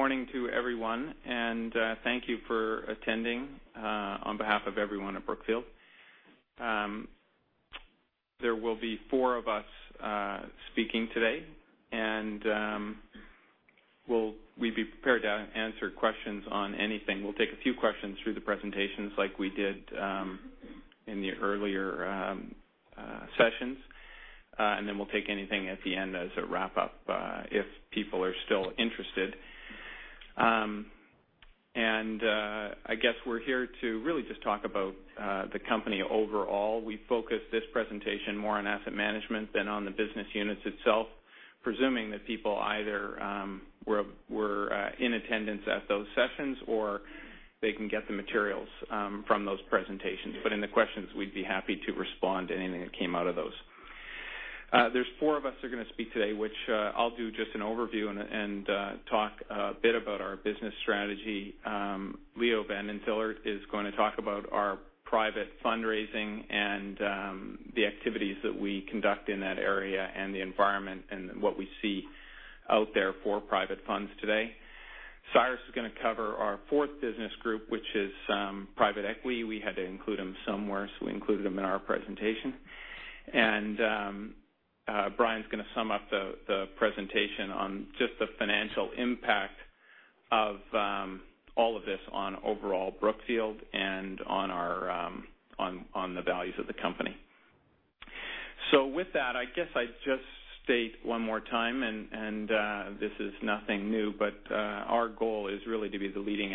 Good morning to everyone, and thank you for attending on behalf of everyone at Brookfield. There will be four of us speaking today. We'd be prepared to answer questions on anything. We'll take a few questions through the presentations like we did in the earlier sessions. We'll take anything at the end as a wrap-up, if people are still interested. I guess we're here to really just talk about the company overall. We focused this presentation more on asset management than on the business units itself, presuming that people either were in attendance at those sessions, or they can get the materials from those presentations. In the questions, we'd be happy to respond to anything that came out of those. There's four of us going to speak today, which I'll do just an overview and talk a bit about our business strategy. Leo van den Tillart is going to talk about our private fundraising and the activities that we conduct in that area and the environment and what we see out there for private funds today. Cyrus is going to cover our fourth business group, which is private equity. We had to include him somewhere. We included him in our presentation. Brian's going to sum up the presentation on just the financial impact of all of this on overall Brookfield and on the values of the company. With that, I guess I just state one more time, and this is nothing new, but our goal is really to be the leading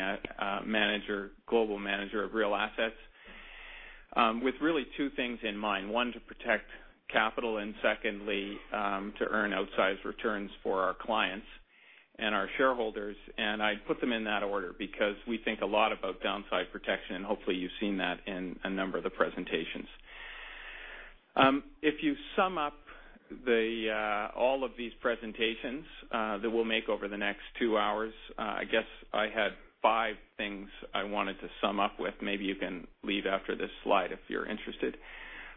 global manager of real assets with really two things in mind. One, to protect capital, and secondly, to earn outsized returns for our clients and our shareholders. I put them in that order because we think a lot about downside protection, and hopefully, you've seen that in a number of the presentations. If you sum up all of these presentations that we'll make over the next two hours, I guess I had five things I wanted to sum up with. Maybe you can leave after this slide if you're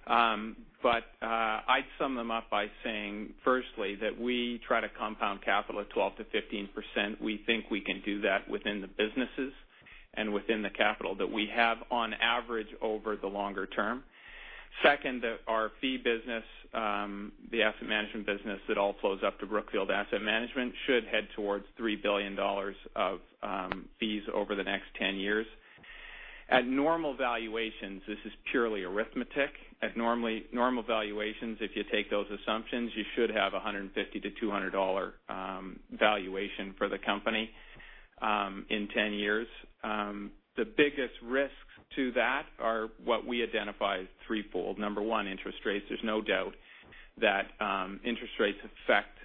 interested. I'd sum them up by saying, firstly, that we try to compound capital at 12%-15%. We think we can do that within the businesses and within the capital that we have on average over the longer term. Second, our fee business, the asset management business that all flows up to Brookfield Asset Management, should head towards $3 billion of fees over the next 10 years. At normal valuations, this is purely arithmetic. At normal valuations, if you take those assumptions, you should have $150-$200 valuation for the company in 10 years. The biggest risks to that are what we identify as threefold. Number one, interest rates. There's no doubt that interest rates affect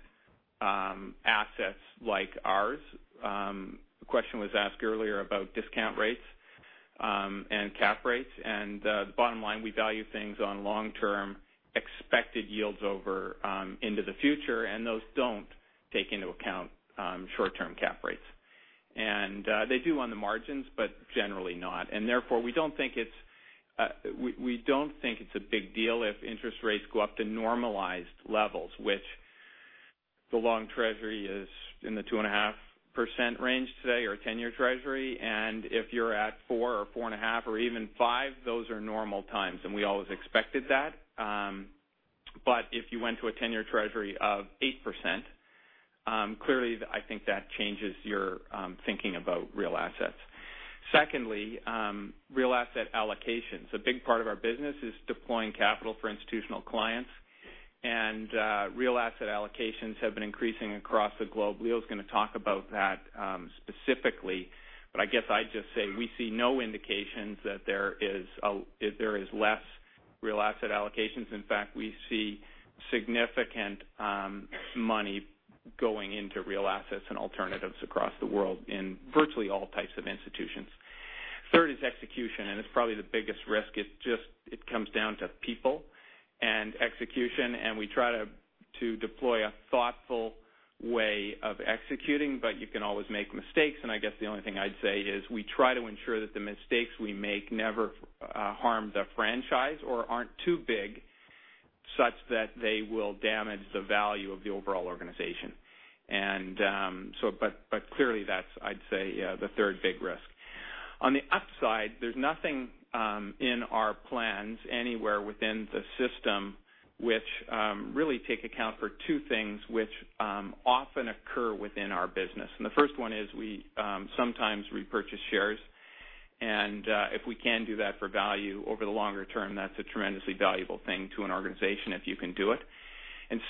assets like ours. The question was asked earlier about discount rates and cap rates. The bottom line, we value things on long-term expected yields over into the future, and those don't take into account short-term cap rates. They do on the margins, but generally not. Therefore, we don't think it's a big deal if interest rates go up to normalized levels, which the long Treasury is in the 2.5% range today or a 10-year Treasury. If you're at four or 4.5 or even five, those are normal times, and we always expected that. if you went to a 10-year Treasury of 8%, clearly, I think that changes your thinking about real assets. Secondly, real asset allocations. A big part of our business is deploying capital for institutional clients, and real asset allocations have been increasing across the globe. Leo's going to talk about that specifically, but I guess I'd just say we see no indications that there is less real asset allocations. We see significant money going into real assets and alternatives across the world in virtually all types of institutions. Third is execution, it's probably the biggest risk. It comes down to people and execution, we try to deploy a thoughtful way of executing, but you can always make mistakes. I guess the only thing I'd say is we try to ensure that the mistakes we make never harm the franchise or aren't too big such that they will damage the value of the overall organization. Clearly, that's, I'd say, the third big risk. On the upside, there's nothing in our plans anywhere within the system which really take account for two things which often occur within our business. The first one is we sometimes repurchase shares, and if we can do that for value over the longer term, that's a tremendously valuable thing to an organization if you can do it.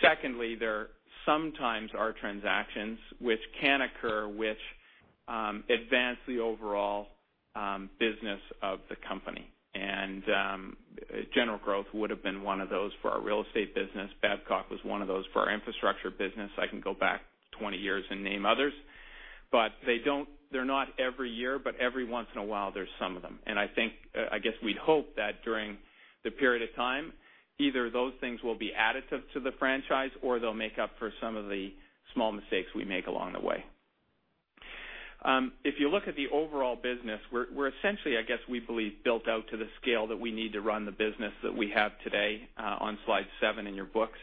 Secondly, there sometimes are transactions which can occur which advance the overall business of the company. General Growth would've been one of those for our real estate business. Babcock was one of those for our infrastructure business. I can go back 20 years and name others. They're not every year, but every once in a while, there's some of them. I guess we'd hope that during the period of time, either those things will be additive to the franchise or they'll make up for some of the small mistakes we make along the way. If you look at the overall business, we're essentially, I guess we believe, built out to the scale that we need to run the business that we have today on slide seven in your books.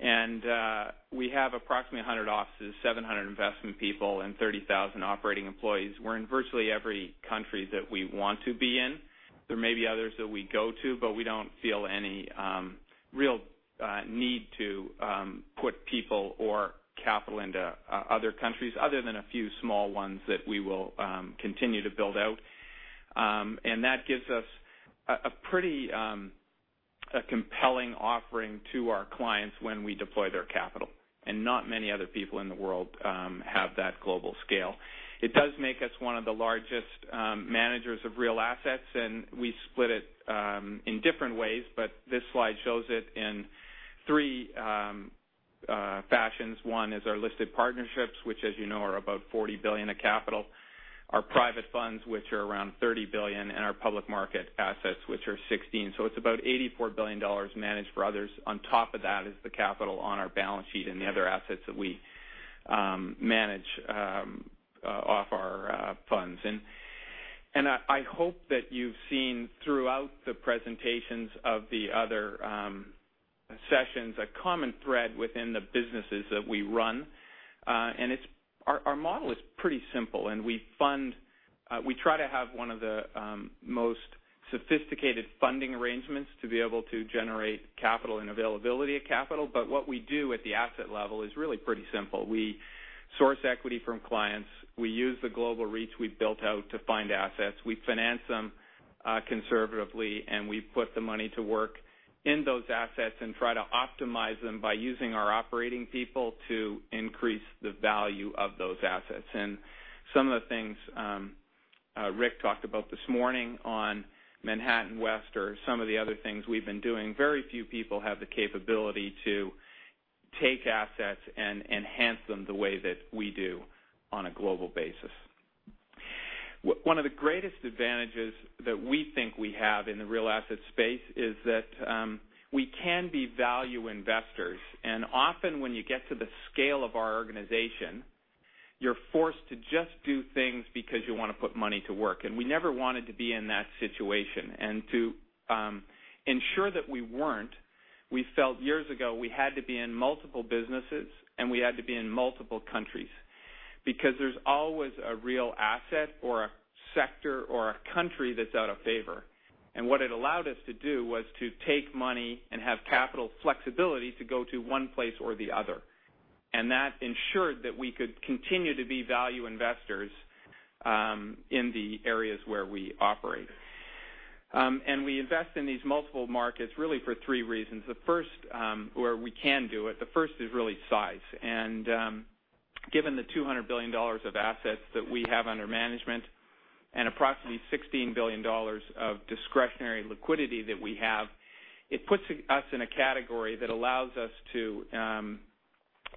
We have approximately 100 offices, 700 investment people, and 30,000 operating employees. We're in virtually every country that we want to be in. There may be others that we go to, we don't feel any real need to put people or capital into other countries, other than a few small ones that we will continue to build out. That gives us a pretty compelling offering to our clients when we deploy their capital. Not many other people in the world have that global scale. It does make us one of the largest managers of real assets, and we split it in different ways, but this slide shows it in three fashions. One is our listed partnerships, which as you know, are about $40 billion of capital. Our private funds, which are around $30 billion, and our public market assets, which are 16. So it's about $84 billion managed for others. On top of that is the capital on our balance sheet and the other assets that we manage off our funds. I hope that you've seen throughout the presentations of the other sessions, a common thread within the businesses that we run. Our model is pretty simple, and we try to have one of the most sophisticated funding arrangements to be able to generate capital and availability of capital. What we do at the asset level is really pretty simple. We source equity from clients. We use the global REITs we've built out to find assets. We finance them conservatively, and we put the money to work in those assets and try to optimize them by using our operating people to increase the value of those assets. Some of the things Ric talked about this morning on Manhattan West or some of the other things we've been doing, very few people have the capability to take assets and enhance them the way that we do on a global basis. One of the greatest advantages that we think we have in the real asset space is that we can be value investors. Often when you get to the scale of our organization, you're forced to just do things because you want to put money to work. We never wanted to be in that situation. To ensure that we weren't, we felt years ago we had to be in multiple businesses, and we had to be in multiple countries, because there's always a real asset or a sector or a country that's out of favor. What it allowed us to do was to take money and have capital flexibility to go to one place or the other. That ensured that we could continue to be value investors in the areas where we operate. We invest in these multiple markets really for three reasons. The first, where we can do it, the first is really size. Given the $200 billion of assets that we have under management and approximately $16 billion of discretionary liquidity that we have, it puts us in a category that allows us to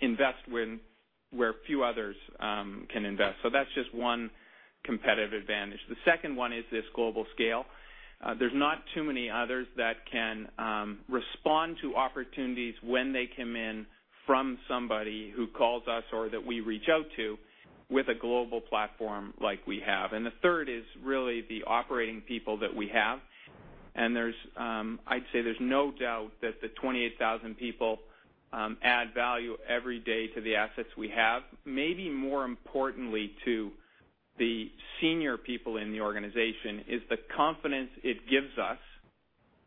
invest where few others can invest. That's just one competitive advantage. The second one is this global scale. There's not too many others that can respond to opportunities when they come in from somebody who calls us or that we reach out to with a global platform like we have. The third is really the operating people that we have. I'd say there's no doubt that the 28,000 people add value every day to the assets we have. Maybe more importantly to the senior people in the organization is the confidence it gives us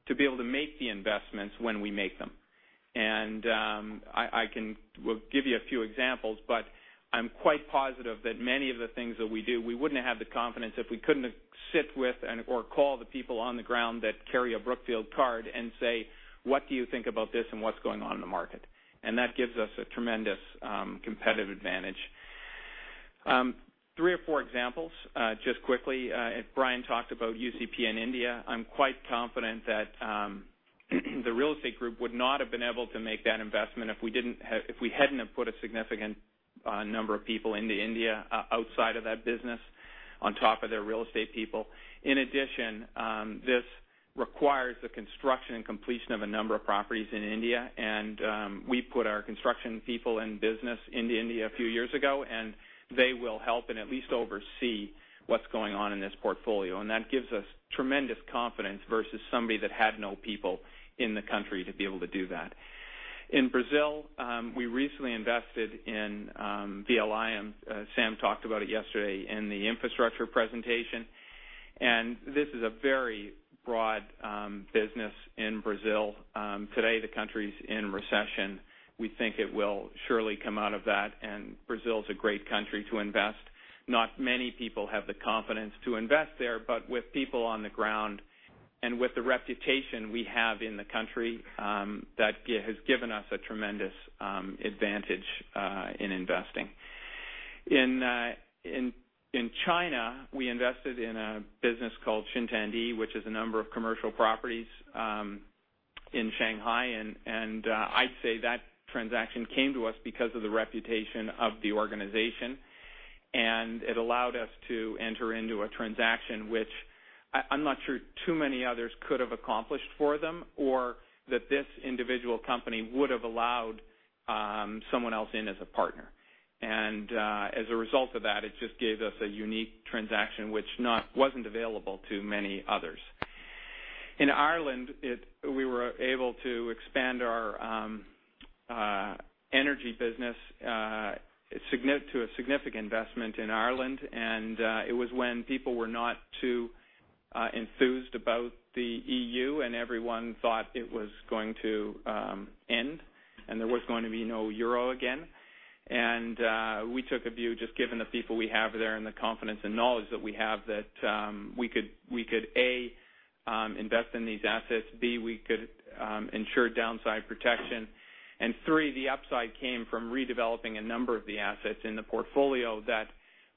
to be able to make the investments when we make them. I can give you a few examples, but I'm quite positive that many of the things that we do, we wouldn't have the confidence if we couldn't sit with or call the people on the ground that carry a Brookfield card and say, "What do you think about this and what's going on in the market?" That gives us a tremendous competitive advantage. Three or four examples just quickly. Brian talked about UCP in India. I'm quite confident that the real estate group would not have been able to make that investment if we hadn't have put a significant number of people into India outside of that business on top of their real estate people. In addition, this requires the construction and completion of a number of properties in India. We put our construction people in business in India a few years ago, and they will help and at least oversee what's going on in this portfolio. That gives us tremendous confidence versus somebody that had no people in the country to be able to do that. In Brazil, we recently invested in VLI, and Sam talked about it yesterday in the infrastructure presentation. This is a very broad business in Brazil. Today, the country's in recession. We think it will surely come out of that. Brazil is a great country to invest. Not many people have the confidence to invest there, but with people on the ground and with the reputation we have in the country, that has given us a tremendous advantage in investing. In China, we invested in a business called Xintiandi, which is a number of commercial properties in Shanghai. I'd say that transaction came to us because of the reputation of the organization. It allowed us to enter into a transaction which I'm not sure too many others could have accomplished for them or that this individual company would have allowed someone else in as a partner. As a result of that, it just gave us a unique transaction which wasn't available to many others. In Ireland, we were able to expand our energy business to a significant investment in Ireland. It was when people were not too enthused about the EU, everyone thought it was going to end, there was going to be no euro again. We took a view, just given the people we have there and the confidence and knowledge that we have, that we could, A, invest in these assets, B, we could ensure downside protection, and three, the upside came from redeveloping a number of the assets in the portfolio that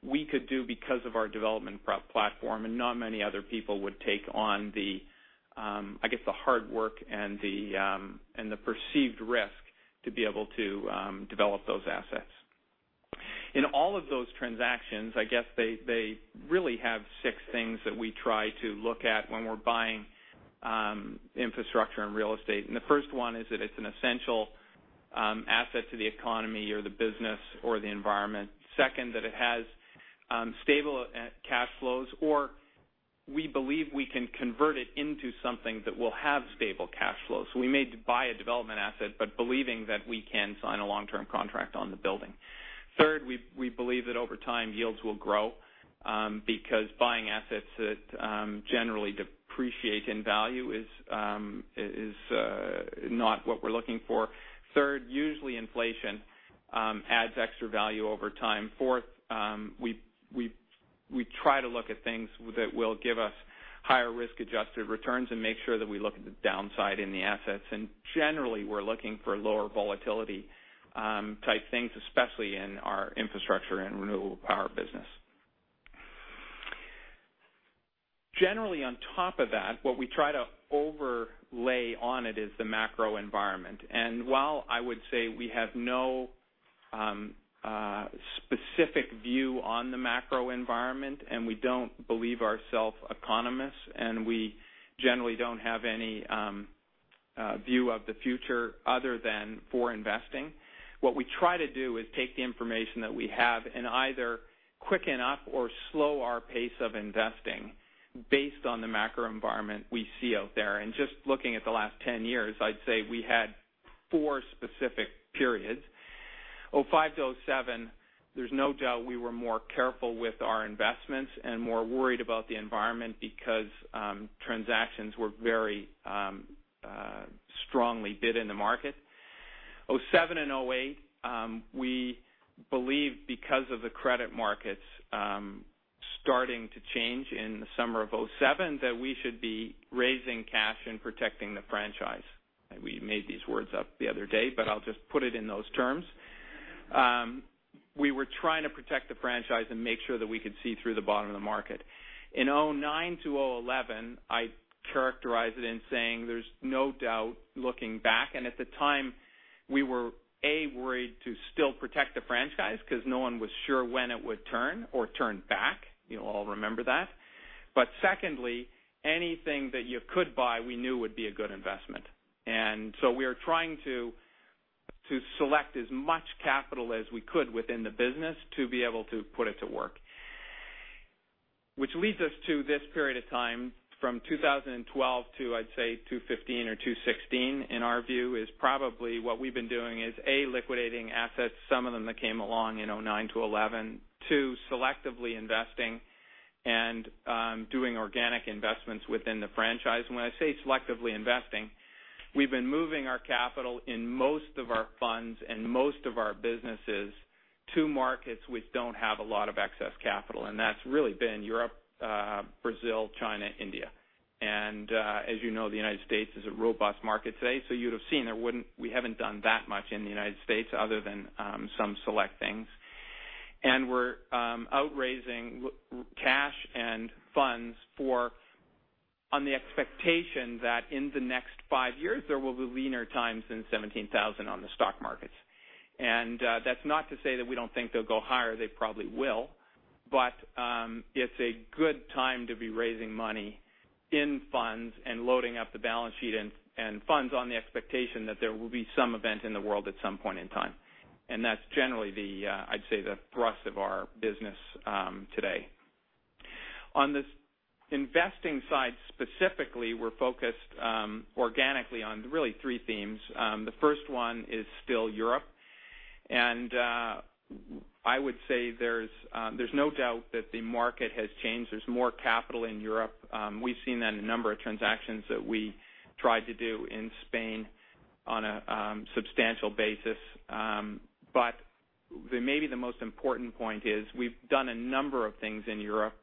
we could do because of our development platform, not many other people would take on the hard work and the perceived risk to be able to develop those assets. In all of those transactions, I guess they really have six things that we try to look at when we're buying infrastructure and real estate. The first one is that it's an essential asset to the economy or the business or the environment. Second, that it has stable cash flows, or we believe we can convert it into something that will have stable cash flows. We may buy a development asset, but believing that we can sign a long-term contract on the building. Third, we believe that over time, yields will grow because buying assets that generally depreciate in value is not what we're looking for. Third, usually inflation adds extra value over time. Fourth, we try to look at things that will give us higher risk-adjusted returns and make sure that we look at the downside in the assets. Generally, we're looking for lower volatility type things, especially in our infrastructure and renewable power business. Generally, on top of that, what we try to overlay on it is the macro environment. While I would say we have no specific view on the macro environment, and we don't believe ourself economists, and we generally don't have any view of the future other than for investing. What we try to do is take the information that we have and either quicken up or slow our pace of investing based on the macro environment we see out there. Just looking at the last 10 years, I'd say we had four specific periods. 2005 to 2007, there's no doubt we were more careful with our investments and more worried about the environment because transactions were very strongly bid in the market. 2007 and 2008, we believed because of the credit markets starting to change in the summer of 2007, that we should be raising cash and protecting the franchise. We made these words up the other day, but I'll just put it in those terms. We were trying to protect the franchise and make sure that we could see through the bottom of the market. In 2009 to 2011, I characterize it in saying there's no doubt looking back, and at the time, we were, A, worried to still protect the franchise because no one was sure when it would turn or turn back. You all remember that. Secondly, anything that you could buy, we knew would be a good investment. We are trying to select as much capital as we could within the business to be able to put it to work. Which leads us to this period of time from 2012 to, I'd say, 2015 or 2016, in our view, is probably what we've been doing is, A, liquidating assets, some of them that came along in 2009 to 2011, two, selectively investing and doing organic investments within the franchise. When I say selectively investing, we've been moving our capital in most of our funds and most of our businesses to markets which don't have a lot of excess capital, and that's really been Europe, Brazil, China, India. As you know, the United States is a robust market today. You'd have seen we haven't done that much in the United States other than some select things. We're out raising cash and funds on the expectation that in the next five years, there will be leaner times than 17,000 on the stock markets. That's not to say that we don't think they'll go higher, they probably will. It's a good time to be raising money in funds and loading up the balance sheet and funds on the expectation that there will be some event in the world at some point in time. That's generally the, I'd say, the thrust of our business today. On this investing side, specifically, we're focused organically on really three themes. The first one is still Europe. I would say there's no doubt that the market has changed. There's more capital in Europe. We've seen that in a number of transactions that we tried to do in Spain on a substantial basis. Maybe the most important point is we've done a number of things in Europe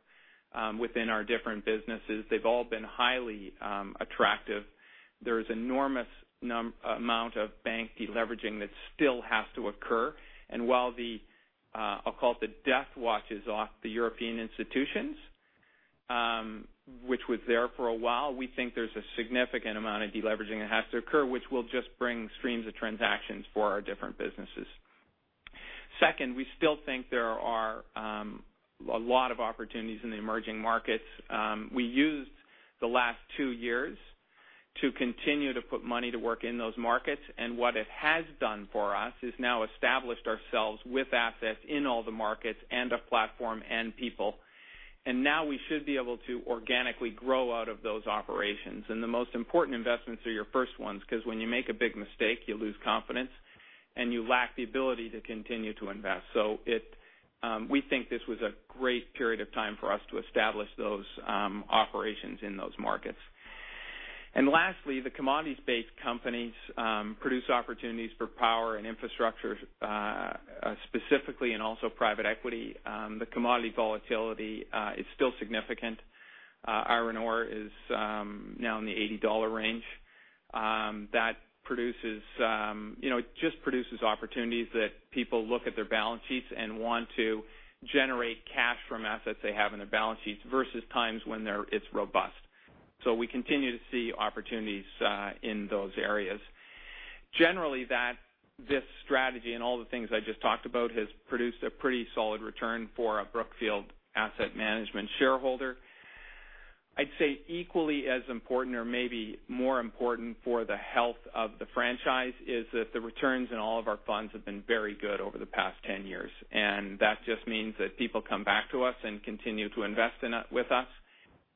within our different businesses. They've all been highly attractive. There is enormous amount of bank deleveraging that still has to occur. While the, I'll call it, the death watch is off the European institutions, which was there for a while, we think there's a significant amount of deleveraging that has to occur, which will just bring streams of transactions for our different businesses. Second, we still think there are a lot of opportunities in the emerging markets. We used the last two years to continue to put money to work in those markets. What it has done for us is now established ourselves with assets in all the markets and a platform and people. Now we should be able to organically grow out of those operations. The most important investments are your first ones, because when you make a big mistake, you lose confidence and you lack the ability to continue to invest. We think this was a great period of time for us to establish those operations in those markets. Lastly, the commodities-based companies produce opportunities for power and infrastructure, specifically, and also private equity. The commodity volatility is still significant. Iron ore is now in the $80 range. It just produces opportunities that people look at their balance sheets and want to generate cash from assets they have on their balance sheets versus times when it's robust. We continue to see opportunities in those areas. Generally, this strategy and all the things I just talked about has produced a pretty solid return for a Brookfield Asset Management shareholder. I'd say equally as important or maybe more important for the health of the franchise is that the returns in all of our funds have been very good over the past 10 years. That just means that people come back to us and continue to invest with us.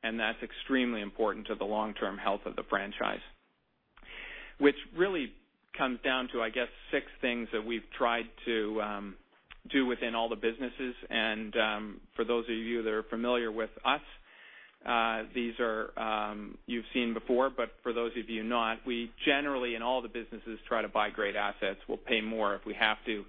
That's extremely important to the long-term health of the franchise, which really comes down to, I guess, six things that we've tried to do within all the businesses. For those of you that are familiar with us, these you've seen before. For those of you not, we generally, in all the businesses, try to buy great assets. We'll pay more if we have to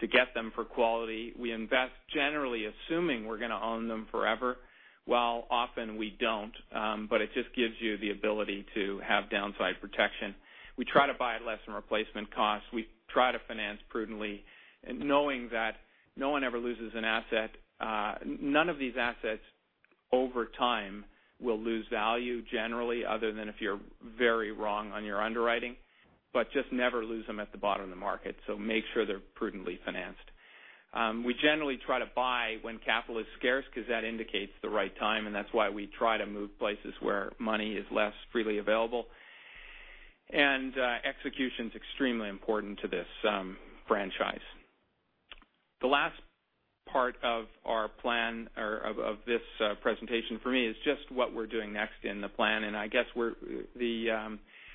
get them for quality. We invest generally assuming we're going to own them forever, while often we don't. It just gives you the ability to have downside protection. We try to buy at less than replacement costs. We try to finance prudently, knowing that no one ever loses an asset. None of these assets, over time, will lose value, generally, other than if you're very wrong on your underwriting. Just never lose them at the bottom of the market. Make sure they're prudently financed. We generally try to buy when capital is scarce, because that indicates the right time, and that's why we try to move places where money is less freely available. Execution's extremely important to this franchise. The last part of this presentation for me is just what we're doing next in the plan. I guess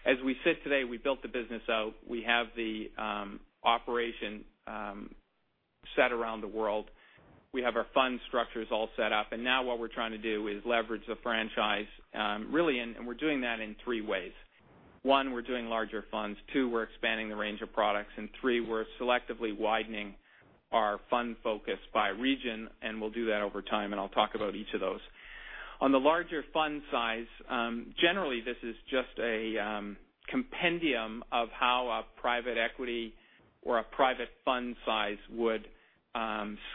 as we sit today, we built the business out. We have the operation set around the world. We have our fund structures all set up. Now what we're trying to do is leverage the franchise, really, and we're doing that in three ways. One, we're doing larger funds. Two, we're expanding the range of products. Three, we're selectively widening our fund focus by region. We'll do that over time, and I'll talk about each of those. On the larger fund size, generally, this is just a compendium of how a private equity or a private fund size would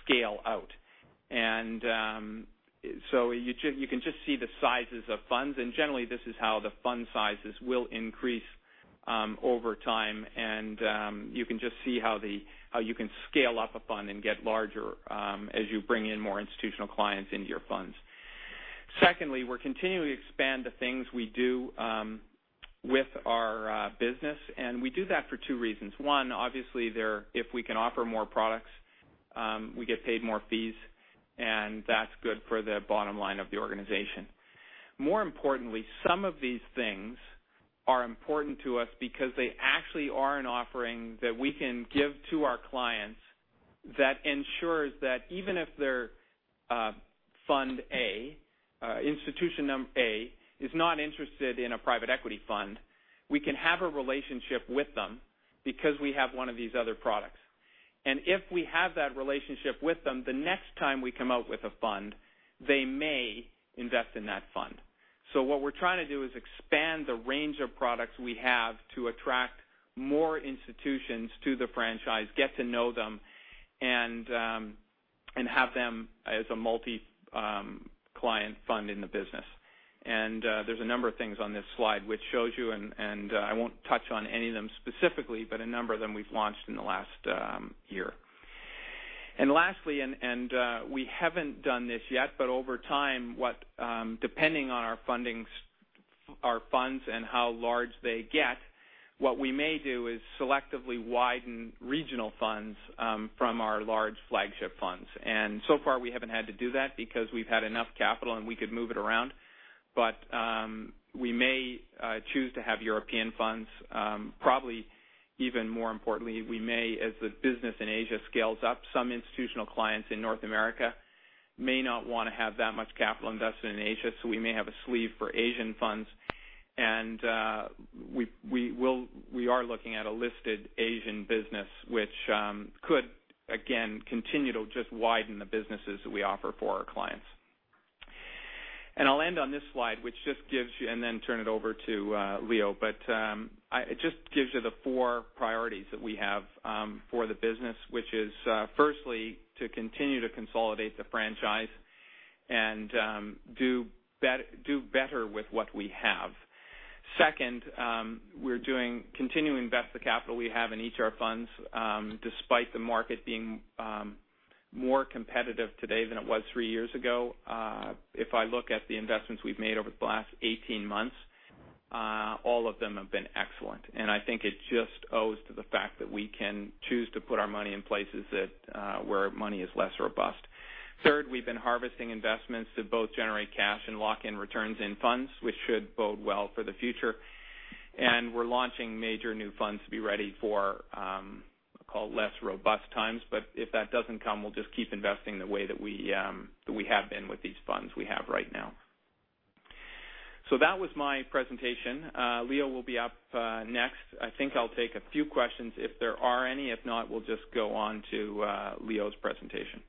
scale out. You can just see the sizes of funds. Generally, this is how the fund sizes will increase over time. You can just see how you can scale up a fund and get larger as you bring in more institutional clients into your funds. Secondly, we're continuing to expand the things we do with our business. We do that for two reasons. One, obviously, if we can offer more products, we get paid more fees. That's good for the bottom line of the organization. More importantly, some of these things are important to us because they actually are an offering that we can give to our clients that ensures that even if their Fund A, Institution A, is not interested in a private equity fund, we can have a relationship with them because we have one of these other products. If we have that relationship with them, the next time we come out with a fund, they may invest in that fund. What we're trying to do is expand the range of products we have to attract more institutions to the franchise, get to know them, and have them as a multi-client fund in the business. There's a number of things on this slide which shows you. I won't touch on any of them specifically, but a number of them we've launched in the last year. Lastly, we haven't done this yet, but over time, depending on our funds and how large they get, what we may do is selectively widen regional funds from our large flagship funds. So far, we haven't had to do that because we've had enough capital and we could move it around. We may choose to have European funds. Probably even more importantly, we may, as the business in Asia scales up, some institutional clients in North America may not want to have that much capital invested in Asia, so we may have a sleeve for Asian funds. We are looking at a listed Asian business which could, again, continue to just widen the businesses that we offer for our clients. I'll end on this slide and then turn it over to Leo. It just gives you the four priorities that we have for the business, which is firstly, to continue to consolidate the franchise and do better with what we have. Second, we're continuing to invest the capital we have in each of our funds, despite the market being more competitive today than it was 3 years ago. If I look at the investments we've made over the last 18 months, all of them have been excellent. I think it just owes to the fact that we can choose to put our money in places that where money is less robust. Third, we've been harvesting investments to both generate cash and lock in returns in funds which should bode well for the future. We're launching major new funds to be ready for, I'll call it less robust times. If that doesn't come, we'll just keep investing the way that we have been with these funds we have right now. That was my presentation. Leo will be up next. I think I'll take a few questions if there are any. If not, we'll just go on to Leo's presentation.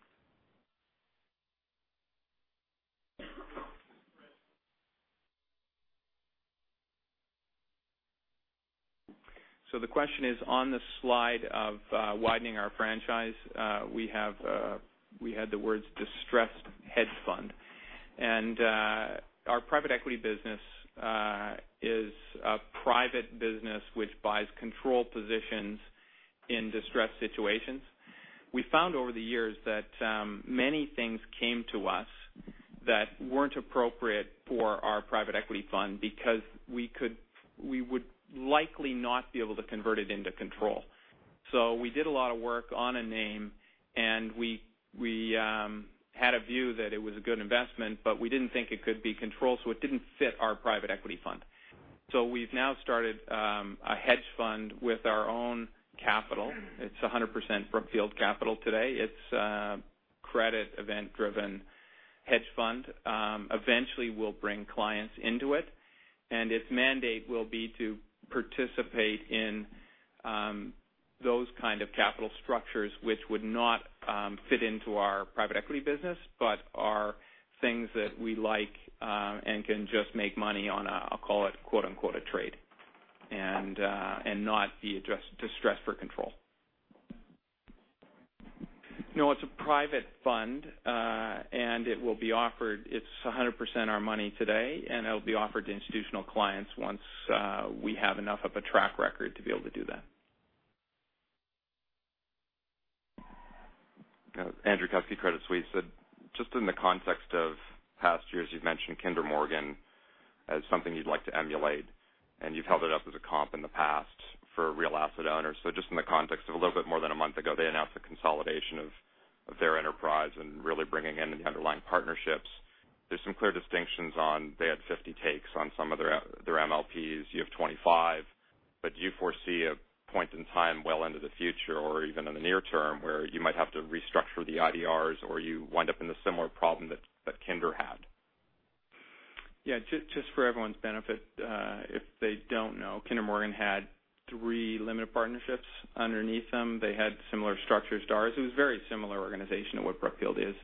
The question is on the slide of widening our franchise. We had the words distressed hedge fund. Our private equity business is a private business which buys control positions in distressed situations. We found over the years that many things came to us that weren't appropriate for our private equity fund because we would likely not be able to convert it into control. We did a lot of work on a name, and we had a view that it was a good investment, but we didn't think it could be control, so it didn't fit our private equity fund. We've now started a hedge fund with our own capital. It's 100% Brookfield capital today. It's a credit event-driven hedge fund. Eventually we'll bring clients into it, and its mandate will be to participate in those kind of capital structures which would not fit into our private equity business, but are things that we like and can just make money on a, I'll call it, quote-unquote, a trade, and not be distressed for control. It's a private fund, and it will be offered. It's 100% our money today, and it'll be offered to institutional clients once we have enough of a track record to be able to do that. Andrew Kusky, Credit Suisse. Just in the context of past years, you've mentioned Kinder Morgan as something you'd like to emulate, and you've held it up as a comp in the past for real asset owners. Just in the context of a little bit more than a month ago, they announced a consolidation of their enterprise and really bringing in the underlying partnerships. There's some clear distinctions on, they had 50 takes on some of their MLPs. You have 25, but do you foresee a point in time well into the future or even in the near term where you might have to restructure the IDRs or you wind up in a similar problem that Kinder had? Just for everyone's benefit, if they don't know, Kinder Morgan had three limited partnerships underneath them. They had similar structures to ours. It was a very similar organization to what Brookfield is.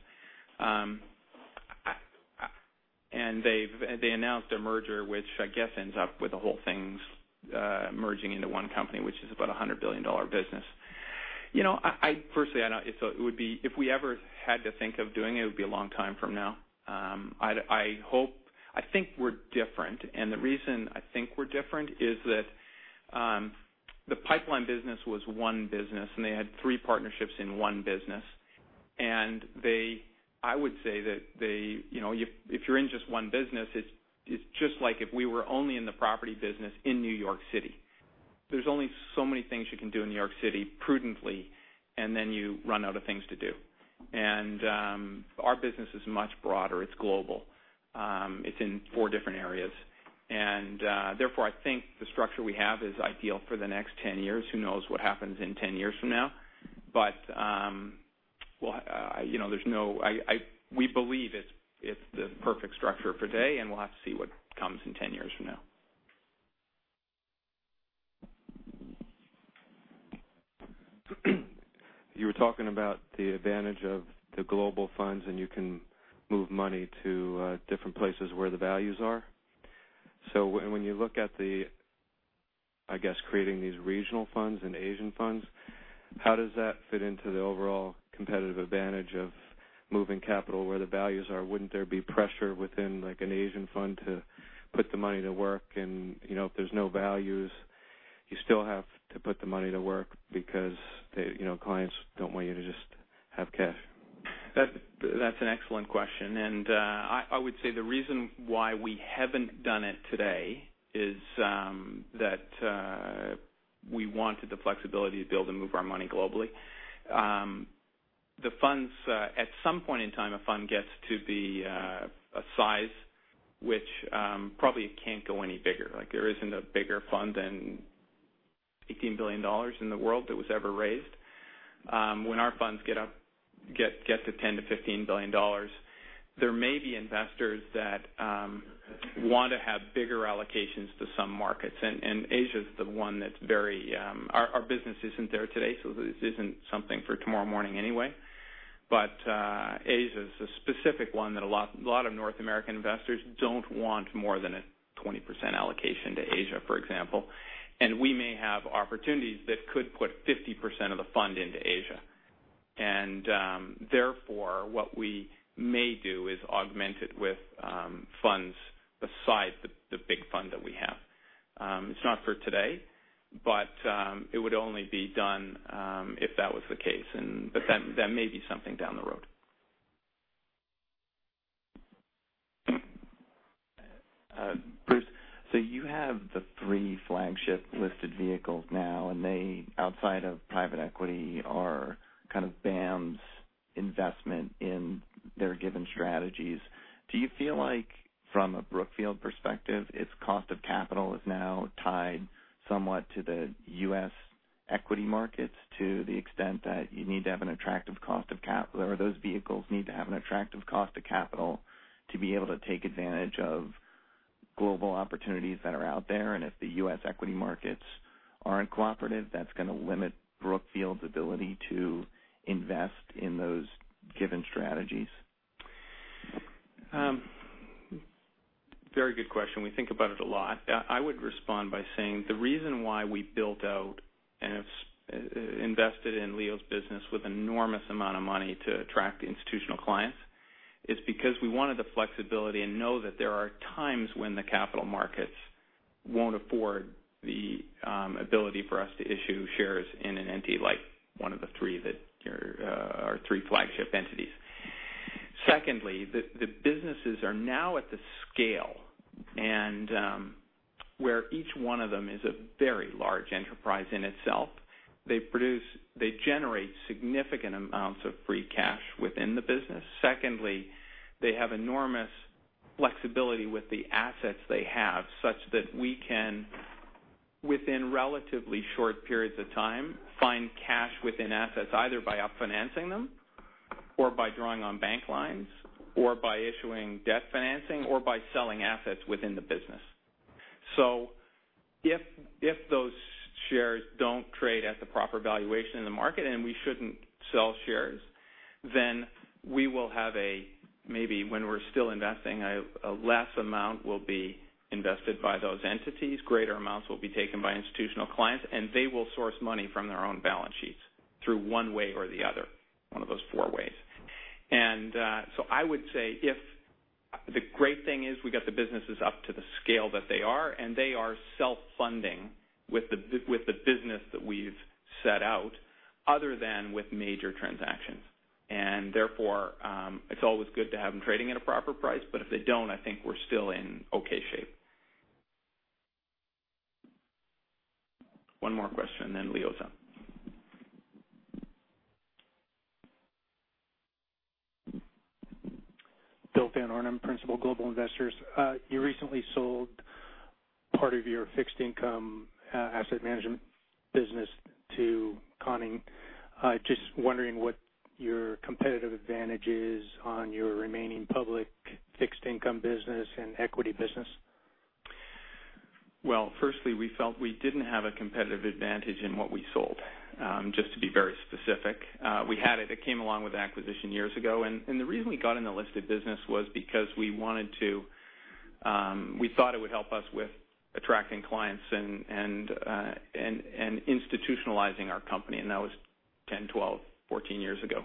They announced a merger which I guess ends up with the whole things merging into one company, which is about $100 billion business. Firstly, if we ever had to think of doing it would be a long time from now. I think we're different. The reason I think we're different is that the pipeline business was one business, and they had three partnerships in one business. I would say that if you're in just one business, it's just like if we were only in the property business in New York City. There's only so many things you can do in New York City prudently, and then you run out of things to do. Our business is much broader. It's global. It's in 4 different areas. Therefore, I think the structure we have is ideal for the next 10 years. Who knows what happens in 10 years from now? We believe it's the perfect structure for today, and we'll have to see what comes in 10 years from now. You were talking about the advantage of the global funds. You can move money to different places where the values are. When you look at the, I guess, creating these regional funds and Asian funds, how does that fit into the overall competitive advantage of moving capital where the values are? Wouldn't there be pressure within, like, an Asian fund to put the money to work? If there's no values, you still have to put the money to work because clients don't want you to just have cash. That's an excellent question. I would say the reason why we haven't done it today is that we wanted the flexibility to be able to move our money globally. At some point in time, a fund gets to be a size which probably can't go any bigger. Like, there isn't a bigger fund than $18 billion in the world that was ever raised. When our funds get to $10 billion-$15 billion, there may be investors that want to have bigger allocations to some markets. Our business isn't there today, so this isn't something for tomorrow morning anyway. Asia is a specific one that a lot of North American investors don't want more than a 20% allocation to Asia, for example. We may have opportunities that could put 50% of the fund into Asia. Therefore, what we may do is augment it with funds besides the big fund that we have. It's not for today, but it would only be done if that was the case. That may be something down the road. Bruce, you have the three flagship listed vehicles now, and they, outside of private equity, are kind of BAM's investment in their given strategies. Do you feel like from a Brookfield perspective, its cost of capital is now tied somewhat to the U.S. equity markets to the extent that you need to have an attractive cost of capital, or those vehicles need to have an attractive cost of capital to be able to take advantage of global opportunities that are out there, and if the U.S. equity markets aren't cooperative, that's going to limit Brookfield's ability to invest in those given strategies? Very good question. We think about it a lot. I would respond by saying the reason why we built out and have invested in Leo's business with enormous amount of money to attract institutional clients is because we wanted the flexibility and know that there are times when the capital markets won't afford the ability for us to issue shares in an entity like one of the three that are our three flagship entities. Secondly, the businesses are now at the scale and where each one of them is a very large enterprise in itself. They generate significant amounts of free cash within the business. Secondly, they have enormous flexibility with the assets they have, such that we can, within relatively short periods of time, find cash within assets, either by up financing them or by drawing on bank lines or by issuing debt financing or by selling assets within the business. If those shares don't trade at the proper valuation in the market and we shouldn't sell shares, then we will have a, maybe when we're still investing, a less amount will be invested by those entities. Greater amounts will be taken by institutional clients, and they will source money from their own balance sheets through one way or the other, one of those four ways. I would say, the great thing is we got the businesses up to the scale that they are, and they are self-funding with the business that we've set out, other than with major transactions. Therefore, it's always good to have them trading at a proper price. If they don't, I think we're still in okay shape. One more question, then Leo's up. Bill Van Arnam, Principal Global Investors. You recently sold part of your fixed income asset management business to Conning. Just wondering what your competitive advantage is on your remaining public fixed income business and equity business? Firstly, we felt we didn't have a competitive advantage in what we sold. Just to be very specific. We had it came along with acquisition years ago, and the reason we got in the listed business was because we thought it would help us with attracting clients and institutionalizing our company, and that was 10, 12, 14 years ago.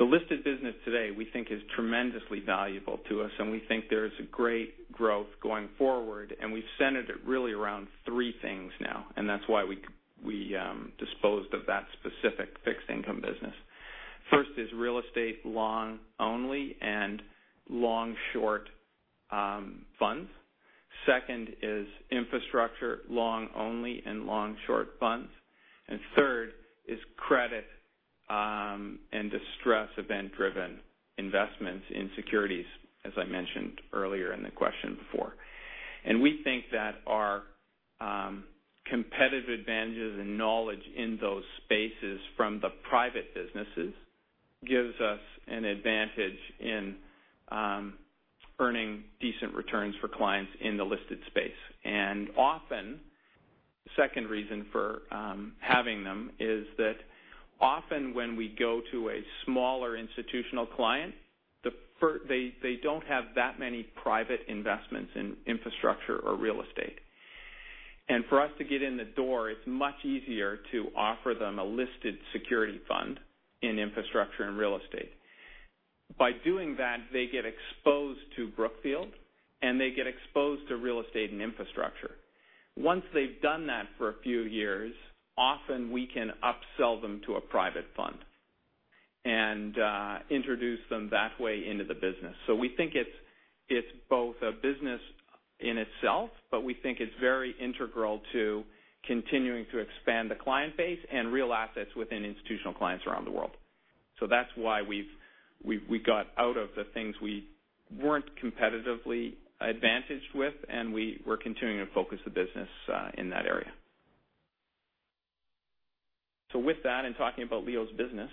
The listed business today, we think is tremendously valuable to us, and we think there's great growth going forward, and we've centered it really around three things now, and that's why we disposed of that specific fixed income business. First is real estate long only and long-short funds. Second is infrastructure long only and long-short funds. Third is credit and distressed event-driven investments in securities, as I mentioned earlier in the question before. We think that our competitive advantages and knowledge in those spaces from the private businesses gives us an advantage in earning decent returns for clients in the listed space. The second reason for having them is that often when we go to a smaller institutional client, they don't have that many private investments in infrastructure or real estate. For us to get in the door, it's much easier to offer them a listed security fund in infrastructure and real estate. By doing that, they get exposed to Brookfield, and they get exposed to real estate and infrastructure. Once they've done that for a few years, often we can upsell them to a private fund and introduce them that way into the business. We think it's both a business in itself, but we think it's very integral to continuing to expand the client base and real assets within institutional clients around the world. That's why we got out of the things we weren't competitively advantaged with, and we're continuing to focus the business in that area. With that, in talking about Leo's business,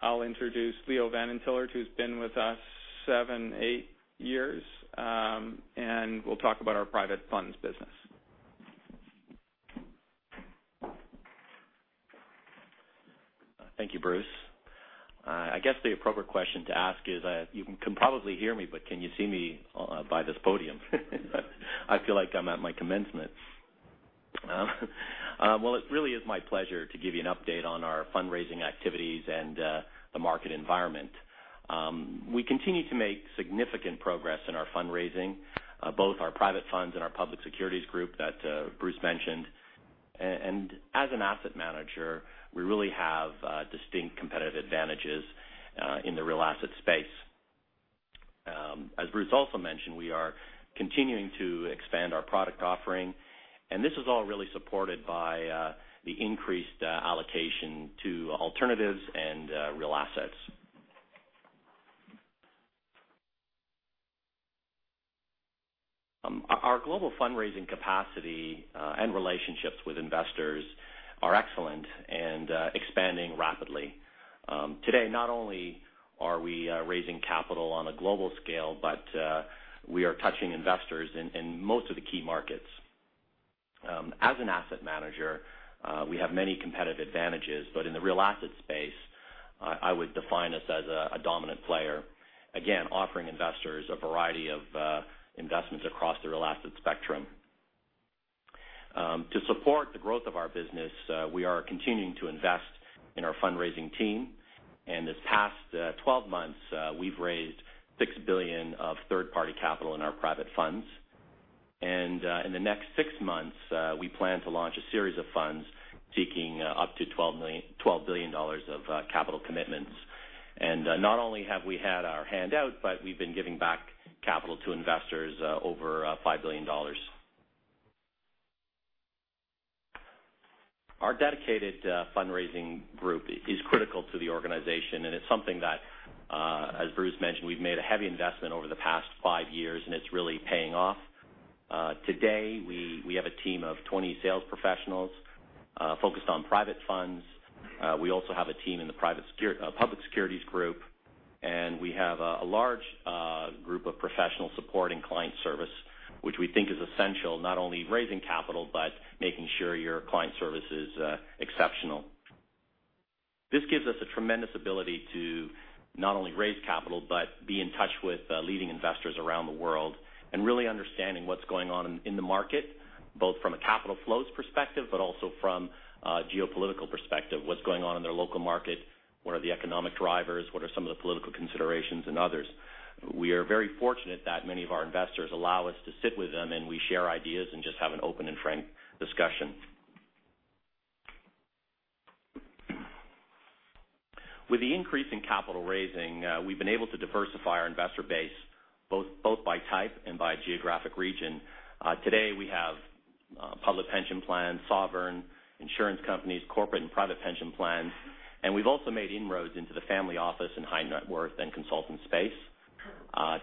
I'll introduce Leo van den Tillart, who's been with us seven, eight years. We'll talk about our private funds business. Thank you, Bruce. I guess the appropriate question to ask is, you can probably hear me, but can you see me by this podium? I feel like I'm at my commencement. Well, it really is my pleasure to give you an update on our fundraising activities and the market environment. We continue to make significant progress in our fundraising, both our private funds and our public securities group that Bruce mentioned. As an asset manager, we really have distinct competitive advantages in the real asset space. As Bruce also mentioned, we are continuing to expand our product offering, and this is all really supported by the increased allocation to alternatives and real assets. Our global fundraising capacity and relationships with investors are excellent and expanding rapidly. Today, not only are we raising capital on a global scale, but we are touching investors in most of the key markets. As an asset manager, we have many competitive advantages, but in the real asset space, I would define us as a dominant player. Again, offering investors a variety of investments across the real asset spectrum. To support the growth of our business, we are continuing to invest in our fundraising team. This past 12 months, we've raised $6 billion of third-party capital in our private funds. In the next 6 months, we plan to launch a series of funds seeking up to $12 billion of capital commitments. Not only have we had our hand out, but we've been giving back capital to investors over $5 billion. Our dedicated fundraising group is critical to the organization, and it's something that, as Bruce mentioned, we've made a heavy investment over the past five years, and it's really paying off. Today, we have a team of 20 sales professionals focused on private funds. We also have a team in the public securities group, and we have a large group of professional support and client service, which we think is essential, not only raising capital but making sure your client service is exceptional. This gives us a tremendous ability to not only raise capital but be in touch with leading investors around the world and really understanding what's going on in the market, both from a capital flows perspective but also from a geopolitical perspective. What's going on in their local market? What are the economic drivers? What are some of the political considerations, and others? We are very fortunate that many of our investors allow us to sit with them, and we share ideas and just have an open and frank discussion. With the increase in capital raising, we've been able to diversify our investor base both by type and by geographic region. Today we have public pension plans, sovereigns, insurance companies, corporate and private pension plans, and we've also made inroads into the family office and high net worth and consultant space.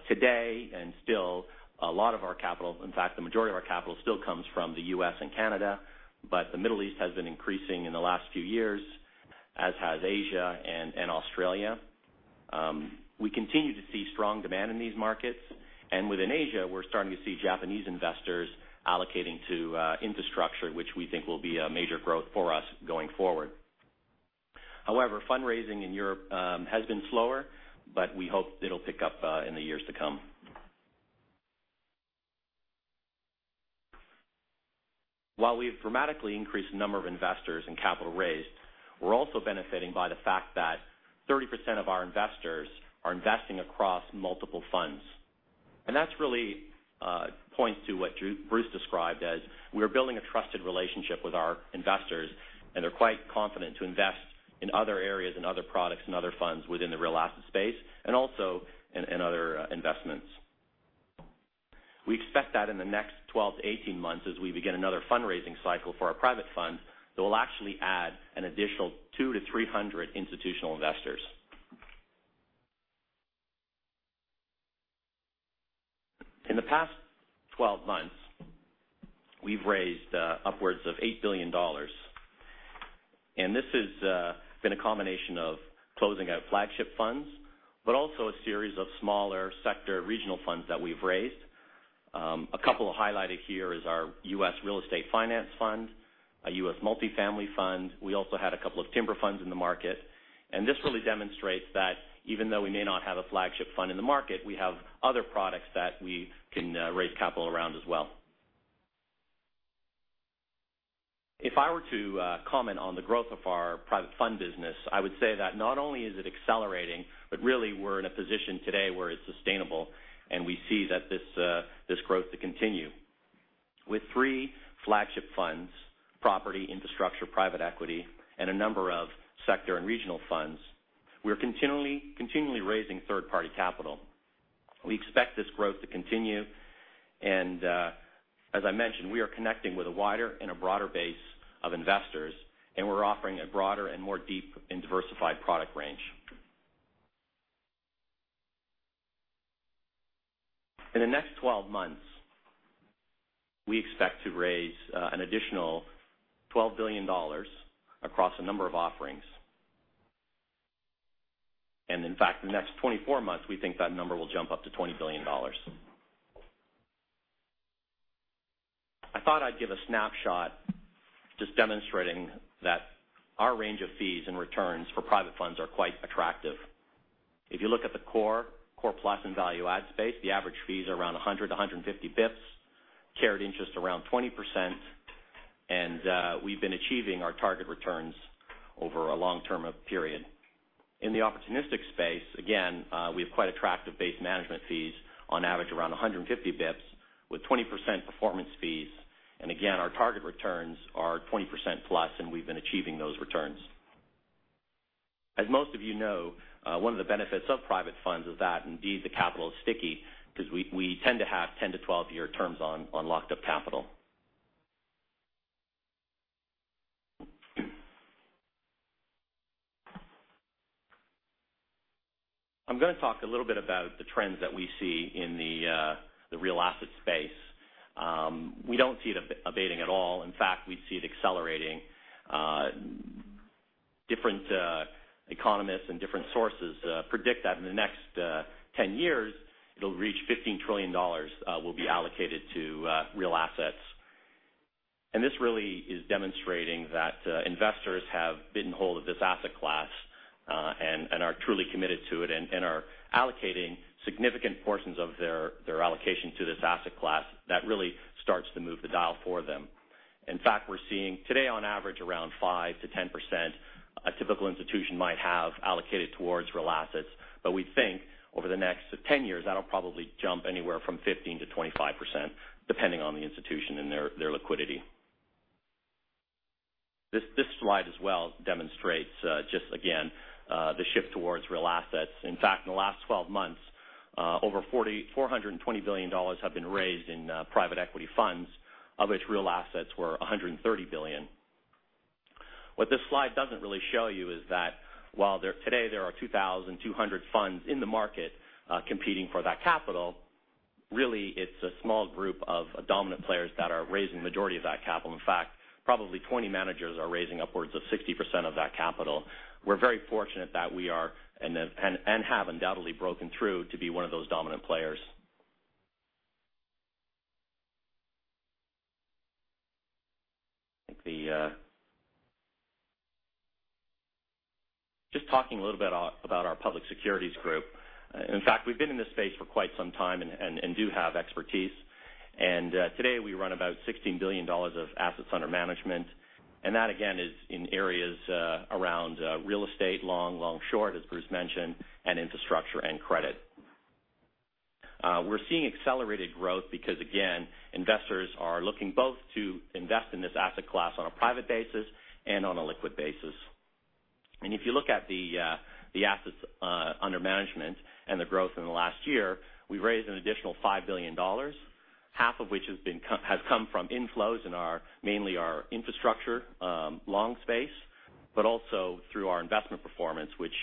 Today, and still, a lot of our capital, in fact, the majority of our capital still comes from the U.S. and Canada, but the Middle East has been increasing in the last few years, as has Asia and Australia. We continue to see strong demand in these markets. Within Asia, we're starting to see Japanese investors allocating to infrastructure, which we think will be a major growth for us going forward. However, fundraising in Europe has been slower, but we hope it'll pick up in the years to come. While we've dramatically increased the number of investors in capital raised, we're also benefiting by the fact that 30% of our investors are investing across multiple funds. That really points to what Bruce described as we are building a trusted relationship with our investors, and they're quite confident to invest in other areas and other products and other funds within the real asset space, and also in other investments. We expect that in the next 12 to 18 months as we begin another fundraising cycle for our private funds, that we'll actually add an additional 2 to 300 institutional investors. In the past 12 months, we've raised upwards of $8 billion. This has been a combination of closing out flagship funds, but also a series of smaller sector regional funds that we've raised. A couple highlighted here is our US Real Estate Finance Fund, a U.S. Multifamily Fund. We also had a couple of timber funds in the market. This really demonstrates that even though we may not have a flagship fund in the market, we have other products that we can raise capital around as well. If I were to comment on the growth of our private fund business, I would say that not only is it accelerating, but really we're in a position today where it's sustainable and we see this growth to continue. With 3 flagship funds, property, infrastructure, private equity, and a number of sector and regional funds, we're continually raising third-party capital. We expect this growth to continue, and as I mentioned, we are connecting with a wider and a broader base of investors, and we're offering a broader and more deep and diversified product range. In the next 12 months, we expect to raise an additional $12 billion across a number of offerings. In fact, in the next 24 months, we think that number will jump up to $20 billion. I thought I'd give a snapshot just demonstrating that our range of fees and returns for private funds are quite attractive. If you look at the core plus, and value add space, the average fees are around 100 to 150 bps, carried interest around 20%, and we've been achieving our target returns over a long-term period. In the opportunistic space, again, we have quite attractive base management fees, on average around 150 bps with 20% performance fees. Again, our target returns are 20% plus, and we've been achieving those returns. As most of you know, one of the benefits of private funds is that indeed the capital is sticky because we tend to have 10 to 12-year terms on locked-up capital. I'm going to talk a little bit about the trends that we see in the real asset space. We don't see it abating at all. In fact, we see it accelerating. Different economists and different sources predict that in the next 10 years, it'll reach $15 trillion will be allocated to real assets. This really is demonstrating that investors have bitten hold of this asset class and are truly committed to it and are allocating significant portions of their allocation to this asset class that really starts to move the dial for them. In fact, we're seeing today on average around 5% to 10% a typical institution might have allocated towards real assets. We think over the next 10 years, that'll probably jump anywhere from 15%-25%, depending on the institution and their liquidity. This slide as well demonstrates just again the shift towards real assets. In fact, in the last 12 months, over $420 billion have been raised in private equity funds, of which real assets were $130 billion. What this slide doesn't really show you is that while today there are 2,200 funds in the market competing for that capital, really it's a small group of dominant players that are raising the majority of that capital. In fact, probably 20 managers are raising upwards of 60% of that capital. We're very fortunate that we are and have undoubtedly broken through to be one of those dominant players. Just talking a little bit about our public securities group. In fact, we've been in this space for quite some time and do have expertise. Today we run about $16 billion of assets under management. That again is in areas around real estate, long, long-short, as Bruce mentioned, and infrastructure and credit. We're seeing accelerated growth because, again, investors are looking both to invest in this asset class on a private basis and on a liquid basis. If you look at the assets under management and the growth in the last year, we've raised an additional $5 billion, half of which has come from inflows in mainly our infrastructure long space, but also through our investment performance, which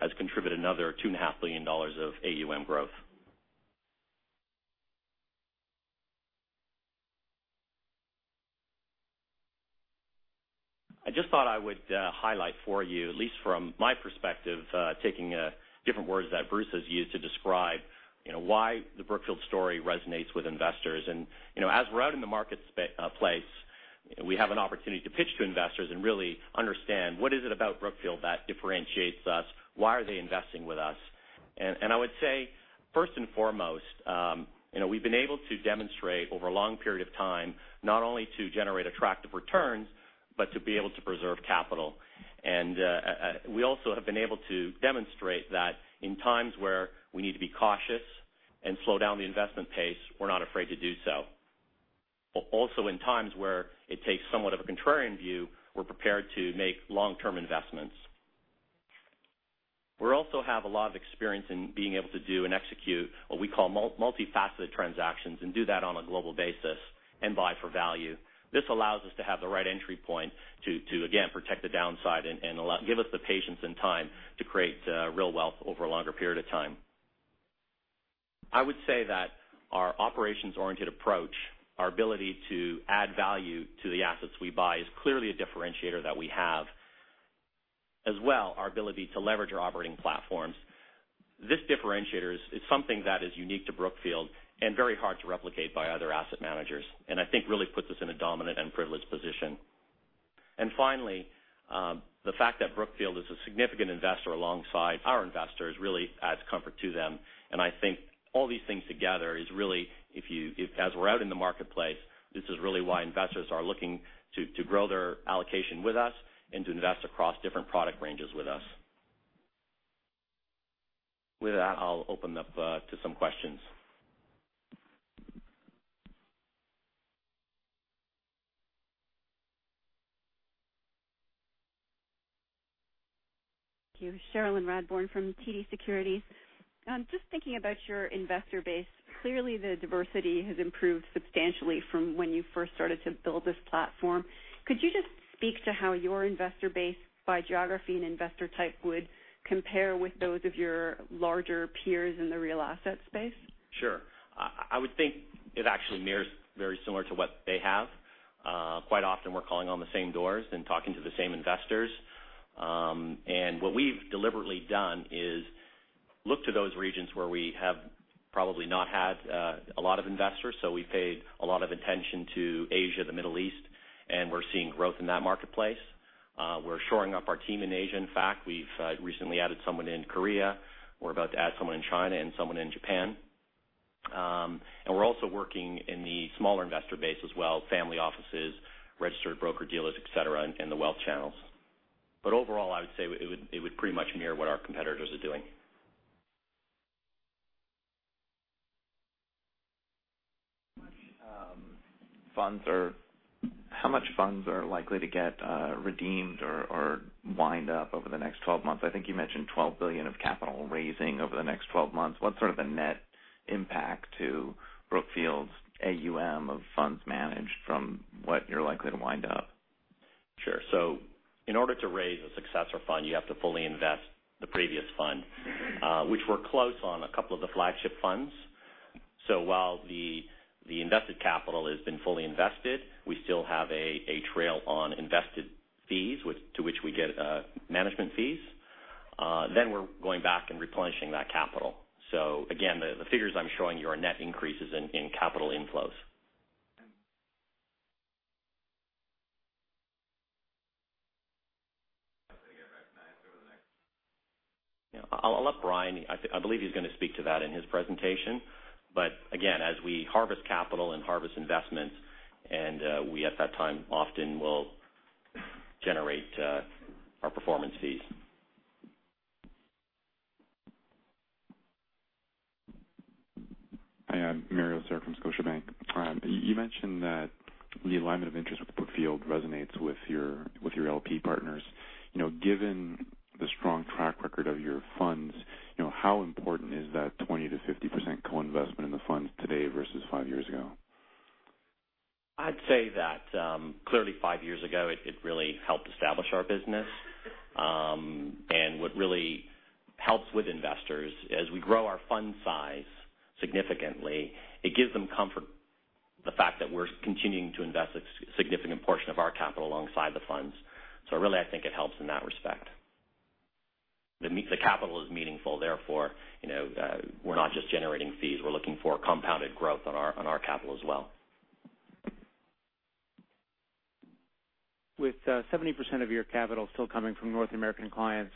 has contributed another $2.5 billion of AUM growth. I just thought I would highlight for you, at least from my perspective, taking different words that Bruce has used to describe why the Brookfield story resonates with investors. As we're out in the marketplace, we have an opportunity to pitch to investors and really understand what is it about Brookfield that differentiates us? Why are they investing with us? I would say, first and foremost, we've been able to demonstrate over a long period of time not only to generate attractive returns, but to be able to preserve capital. We also have been able to demonstrate that in times where we need to be cautious and slow down the investment pace, we're not afraid to do so. In times where it takes somewhat of a contrarian view, we're prepared to make long-term investments. We also have a lot of experience in being able to do and execute what we call multifaceted transactions and do that on a global basis and buy for value. This allows us to have the right entry point to again protect the downside and give us the patience and time to create real wealth over a longer period of time. I would say that our operations-oriented approach, our ability to add value to the assets we buy is clearly a differentiator that we have. As well, our ability to leverage our operating platforms. This differentiator is something that is unique to Brookfield and very hard to replicate by other asset managers and I think really puts us in a dominant and privileged position. Finally, the fact that Brookfield is a significant investor alongside our investors really adds comfort to them. I think all these things together is really as we're out in the marketplace, this is really why investors are looking to grow their allocation with us and to invest across different product ranges with us. With that, I'll open up to some questions. Thank you. Cherilyn Radbourne from TD Securities. Just thinking about your investor base, clearly the diversity has improved substantially from when you first started to build this platform. Could you just speak to how your investor base by geography and investor type would compare with those of your larger peers in the real asset space? Sure. I would think it actually mirrors very similar to what they have. Quite often we're calling on the same doors and talking to the same investors. What we've deliberately done is look to those regions where we have Probably not had a lot of investors. We paid a lot of attention to Asia, the Middle East, and we're seeing growth in that marketplace. We're shoring up our team in Asia. In fact, we've recently added someone in Korea. We're about to add someone in China and someone in Japan. We're also working in the smaller investor base as well, family offices, registered broker-dealers, et cetera, in the wealth channels. Overall, I would say it would pretty much mirror what our competitors are doing. How much funds are likely to get redeemed or wind up over the next 12 months? I think you mentioned $12 billion of capital raising over the next 12 months. What's sort of the net impact to Brookfield's AUM of funds managed from what you're likely to wind up? Sure. In order to raise a successor fund, you have to fully invest the previous fund, which we're close on a couple of the flagship funds. While the invested capital has been fully invested, we still have a trail on invested fees, to which we get management fees. We're going back and replenishing that capital. Again, the figures I'm showing you are net increases in capital inflows. I'll let Brian. I believe he's going to speak to that in his presentation. Again, as we harvest capital and harvest investments, and we at that time often will generate our performance fees. Hi, I'm Mario Saric from Scotiabank. You mentioned that the alignment of interest with Brookfield resonates with your LP partners. Given the strong track record of your funds, how important is that 20%-50% co-investment in the funds today versus five years ago? I'd say that clearly five years ago, it really helped establish our business. What really helps with investors as we grow our fund size significantly, it gives them comfort the fact that we're continuing to invest a significant portion of our capital alongside the funds. Really, I think it helps in that respect. The capital is meaningful, therefore, we're not just generating fees. We're looking for compounded growth on our capital as well. With 70% of your capital still coming from North American clients,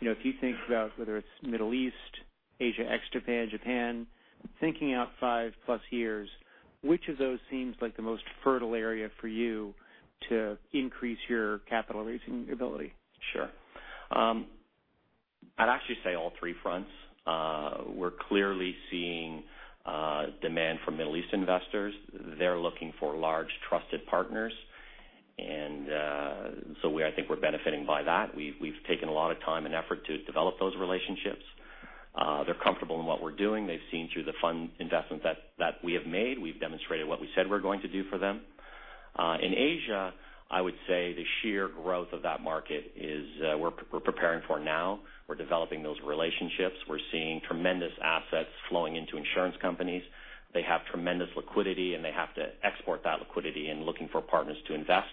if you think about whether it's Middle East, Asia, ex-Japan, Japan, thinking out 5+ years, which of those seems like the most fertile area for you to increase your capital raising ability? Sure. I'd actually say all three fronts. We're clearly seeing demand from Middle East investors. They're looking for large, trusted partners. I think we're benefiting by that. We've taken a lot of time and effort to develop those relationships. They're comfortable in what we're doing. They've seen through the fund investments that we have made. We've demonstrated what we said we're going to do for them. In Asia, I would say the sheer growth of that market is we're preparing for now. We're developing those relationships. We're seeing tremendous assets flowing into insurance companies. They have tremendous liquidity, and they have to export that liquidity and looking for partners to invest.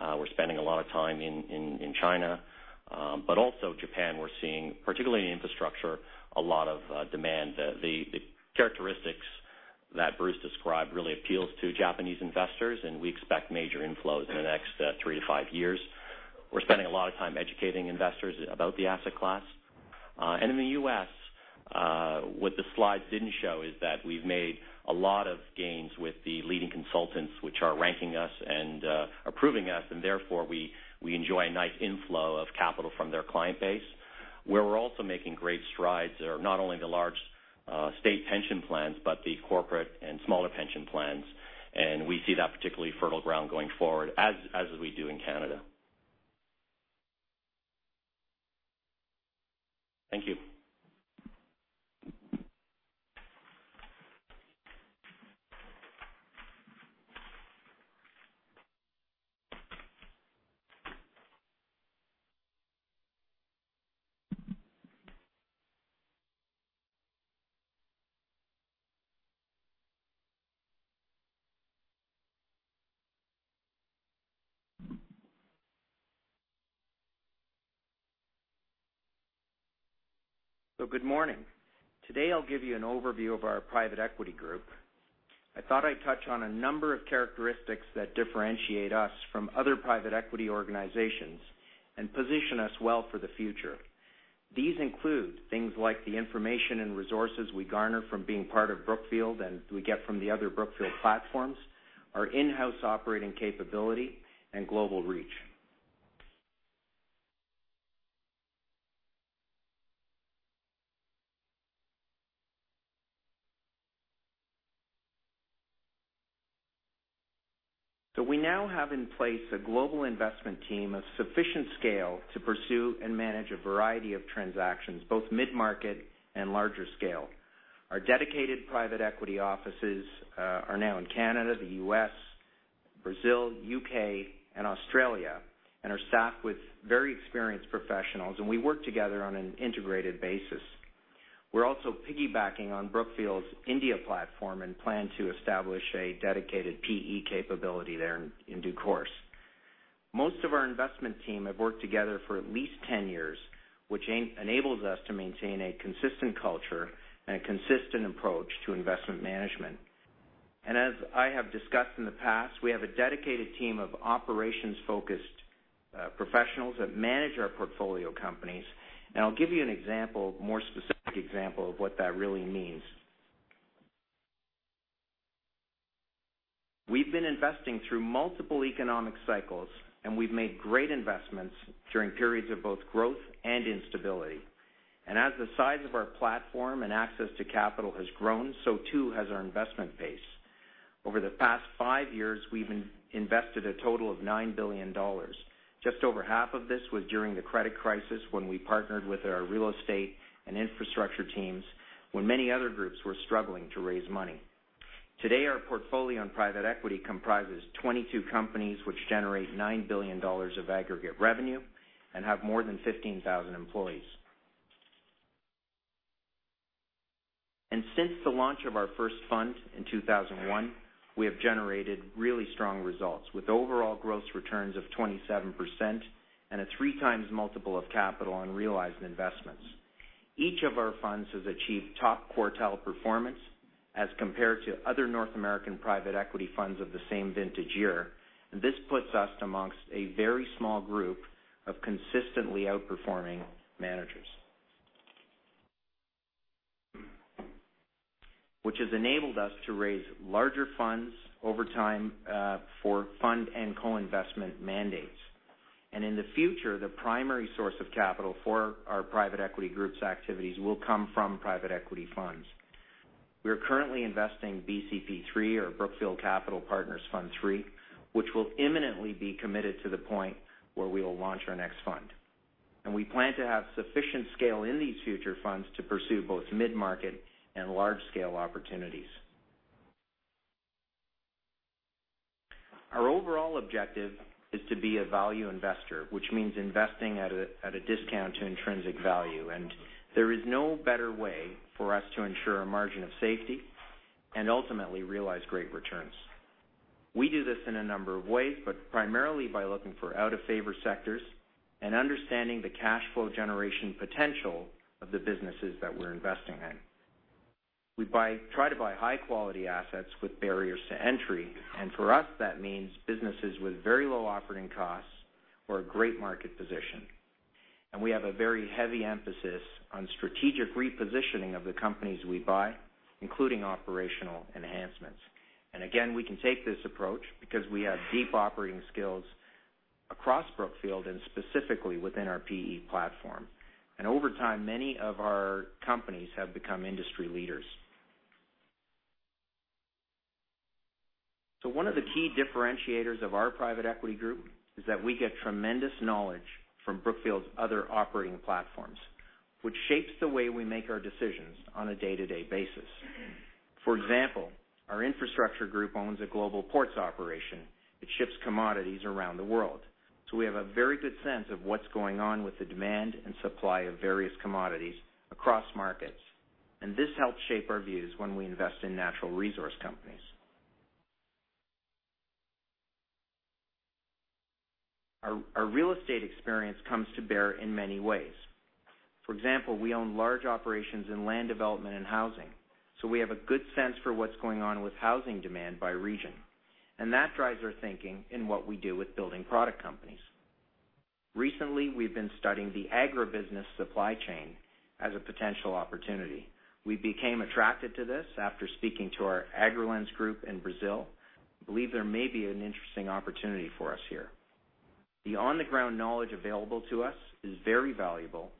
We're spending a lot of time in China. Also Japan, we're seeing, particularly in infrastructure, a lot of demand. The characteristics that Bruce described really appeals to Japanese investors, and we expect major inflows in the next 3 to 5 years. We're spending a lot of time educating investors about the asset class. In the U.S., what the slides didn't show is that we've made a lot of gains with the leading consultants, which are ranking us and approving us, and therefore we enjoy a nice inflow of capital from their client base. Where we're also making great strides are not only the large state pension plans, but the corporate and smaller pension plans. We see that particularly fertile ground going forward as we do in Canada. Thank you. Good morning. Today, I'll give you an overview of our private equity group. I thought I'd touch on a number of characteristics that differentiate us from other private equity organizations and position us well for the future. These include things like the information and resources we garner from being part of Brookfield and we get from the other Brookfield platforms, our in-house operating capability, and global reach. We now have in place a global investment team of sufficient scale to pursue and manage a variety of transactions, both mid-market and larger scale. Our dedicated private equity offices are now in Canada, the U.S., Brazil, U.K., and Australia, and are staffed with very experienced professionals, and we work together on an integrated basis. We're also piggybacking on Brookfield's India platform and plan to establish a dedicated PE capability there in due course. Most of our investment team have worked together for at least 10 years, which enables us to maintain a consistent culture and a consistent approach to investment management. As I have discussed in the past, we have a dedicated team of operations-focused professionals that manage our portfolio companies, and I'll give you a more specific example of what that really means. We've been investing through multiple economic cycles, and we've made great investments during periods of both growth and instability. As the size of our platform and access to capital has grown, so too has our investment base. Over the past five years, we've invested a total of $9 billion. Just over half of this was during the credit crisis, when we partnered with our real estate and infrastructure teams, when many other groups were struggling to raise money. Today, our portfolio on private equity comprises 22 companies, which generate $9 billion of aggregate revenue and have more than 15,000 employees. Since the launch of our first fund in 2001, we have generated really strong results with overall gross returns of 27% and a three times multiple of capital on realized investments. Each of our funds has achieved top quartile performance as compared to other North American private equity funds of the same vintage year, this puts us amongst a very small group of consistently outperforming managers. This has enabled us to raise larger funds over time for fund and co-investment mandates. In the future, the primary source of capital for our private equity group's activities will come from private equity funds. We are currently investing BCP III or Brookfield Capital Partners Fund III, which will imminently be committed to the point where we will launch our next fund. We plan to have sufficient scale in these future funds to pursue both mid-market and large-scale opportunities. Our overall objective is to be a value investor, which means investing at a discount to intrinsic value. There is no better way for us to ensure a margin of safety and ultimately realize great returns. We do this in a number of ways, but primarily by looking for out-of-favor sectors and understanding the cash flow generation potential of the businesses that we're investing in. We try to buy high-quality assets with barriers to entry, for us, that means businesses with very low operating costs or a great market position. We have a very heavy emphasis on strategic repositioning of the companies we buy, including operational enhancements. Again, we can take this approach because we have deep operating skills across Brookfield and specifically within our PE platform. Over time, many of our companies have become industry leaders. One of the key differentiators of our private equity group is that we get tremendous knowledge from Brookfield's other operating platforms, which shapes the way we make our decisions on a day-to-day basis. For example, our infrastructure group owns a global ports operation that ships commodities around the world. We have a very good sense of what's going on with the demand and supply of various commodities across markets. This helps shape our views when we invest in natural resource companies. Our real estate experience comes to bear in many ways. For example, we own large operations in land development and housing, we have a good sense for what's going on with housing demand by region, that drives our thinking in what we do with building product companies. Recently, we've been studying the agribusiness supply chain as a potential opportunity. We became attracted to this after speaking to our AgriLand group in Brazil. We believe there may be an interesting opportunity for us here. The on-the-ground knowledge available to us is very valuable,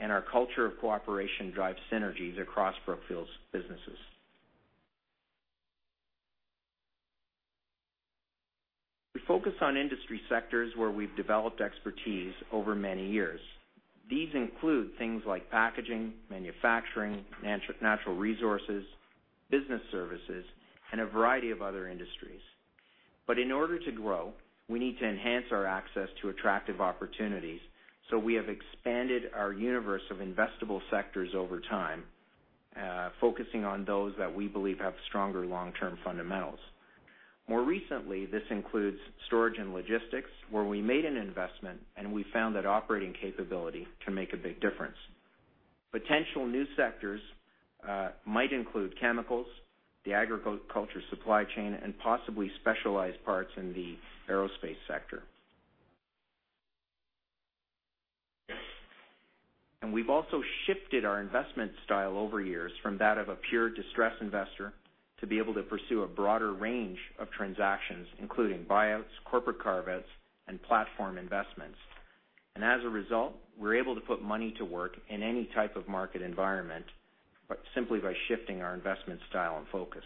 our culture of cooperation drives synergies across Brookfield's businesses. We focus on industry sectors where we've developed expertise over many years. These include things like packaging, manufacturing, natural resources, business services, and a variety of other industries. In order to grow, we need to enhance our access to attractive opportunities, we have expanded our universe of investable sectors over time, focusing on those that we believe have stronger long-term fundamentals. More recently, this includes storage and logistics, where we made an investment, and we found that operating capability can make a big difference. Potential new sectors might include chemicals, the agriculture supply chain, and possibly specialized parts in the aerospace sector. We've also shifted our investment style over years from that of a pure distress investor to be able to pursue a broader range of transactions, including buyouts, corporate carve-outs, and platform investments. As a result, we're able to put money to work in any type of market environment, simply by shifting our investment style and focus.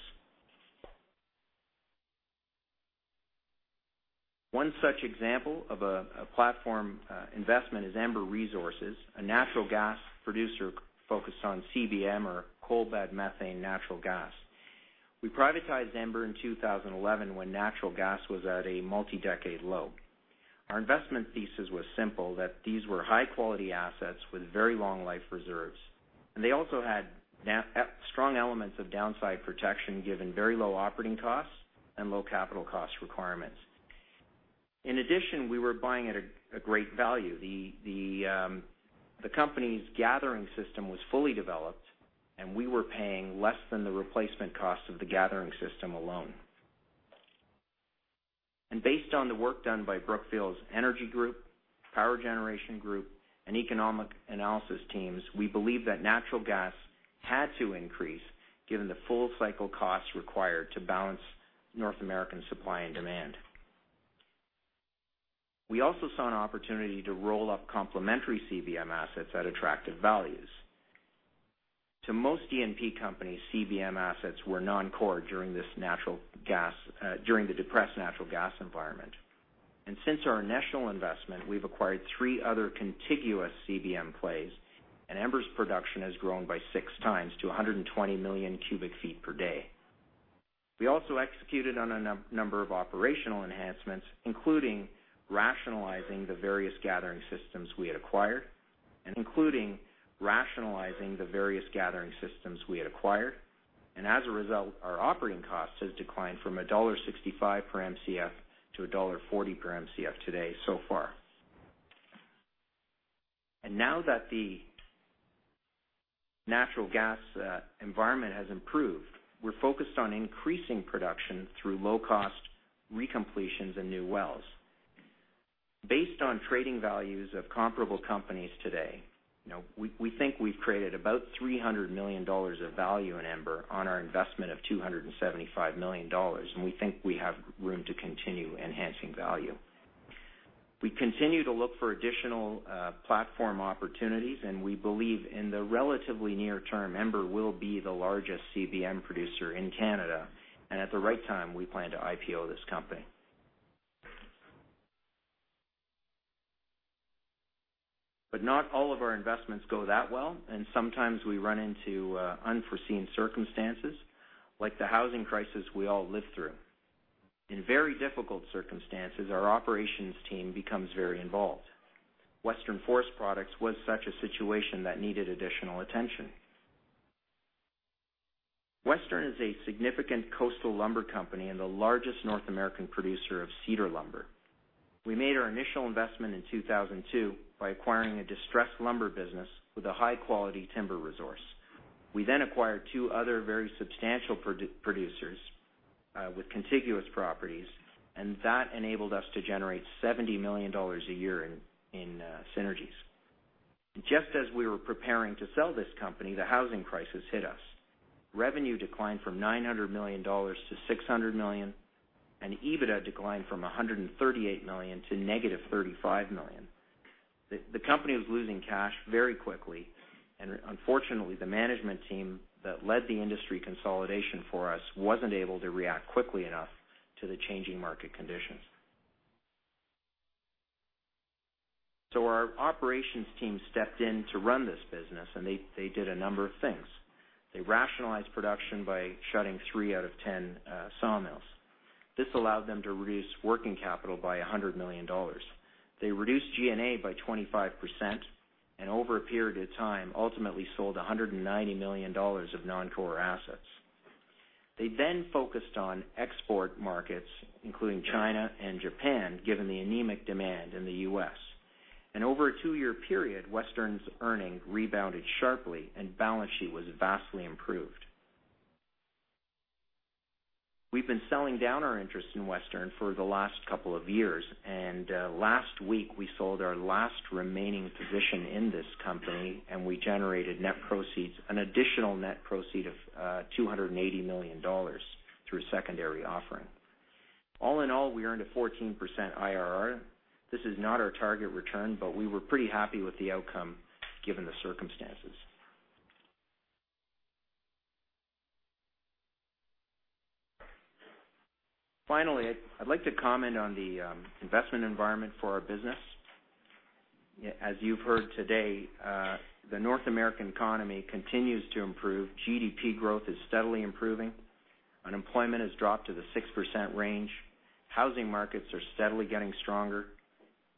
One such example of a platform investment is Ember Resources, a natural gas producer focused on CBM or coal bed methane natural gas. We privatized Ember in 2011 when natural gas was at a multi-decade low. Our investment thesis was simple, that these were high-quality assets with very long life reserves. They also had strong elements of downside protection, given very low operating costs and low capital cost requirements. In addition, we were buying at a great value. The company's gathering system was fully developed, and we were paying less than the replacement cost of the gathering system alone. Based on the work done by Brookfield's Energy Group, Power Generation Group, and economic analysis teams, we believe that natural gas had to increase given the full cycle costs required to balance North American supply and demand. We also saw an opportunity to roll up complementary CBM assets at attractive values. To most E&P companies, CBM assets were non-core during the depressed natural gas environment. Since our initial investment, we've acquired three other contiguous CBM plays, and Ember's production has grown by six times to 120 million cubic feet per day. We also executed on a number of operational enhancements, including rationalizing the various gathering systems we had acquired, and as a result, our operating cost has declined from $1.65 per Mcf to $1.40 per Mcf today so far. Now that the natural gas environment has improved, we're focused on increasing production through low-cost recompletions and new wells. Based on trading values of comparable companies today, we think we've created about $300 million of value in Ember on our investment of $275 million, and we think we have room to continue enhancing value. We continue to look for additional platform opportunities, we believe in the relatively near term, Ember will be the largest CBM producer in Canada, and at the right time, we plan to IPO this company. Not all of our investments go that well, and sometimes we run into unforeseen circumstances, like the housing crisis we all lived through. In very difficult circumstances, our operations team becomes very involved. Western Forest Products was such a situation that needed additional attention. Western is a significant coastal lumber company and the largest North American producer of cedar lumber. We made our initial investment in 2002 by acquiring a distressed lumber business with a high-quality timber resource. We then acquired two other very substantial producers with contiguous properties, and that enabled us to generate $70 million a year in synergies. Just as we were preparing to sell this company, the housing crisis hit us. Revenue declined from $900 million to $600 million, and EBITDA declined from $138 million to negative $35 million. The company was losing cash very quickly, and unfortunately, the management team that led the industry consolidation for us wasn't able to react quickly enough to the changing market conditions. Our operations team stepped in to run this business, and they did a number of things. They rationalized production by shutting three out of 10 sawmills. This allowed them to reduce working capital by $100 million. They reduced G&A by 25%, and over a period of time, ultimately sold $190 million of non-core assets. They focused on export markets, including China and Japan, given the anemic demand in the U.S. Over a two-year period, Western's earnings rebounded sharply and balance sheet was vastly improved. We've been selling down our interest in Western for the last couple of years, and last week, we sold our last remaining position in this company, and we generated an additional net proceed of $280 million through a secondary offering. All in all, we earned a 14% IRR. This is not our target return, but we were pretty happy with the outcome given the circumstances. Finally, I'd like to comment on the investment environment for our business. As you've heard today, the North American economy continues to improve. GDP growth is steadily improving. Unemployment has dropped to the 6% range. Housing markets are steadily getting stronger.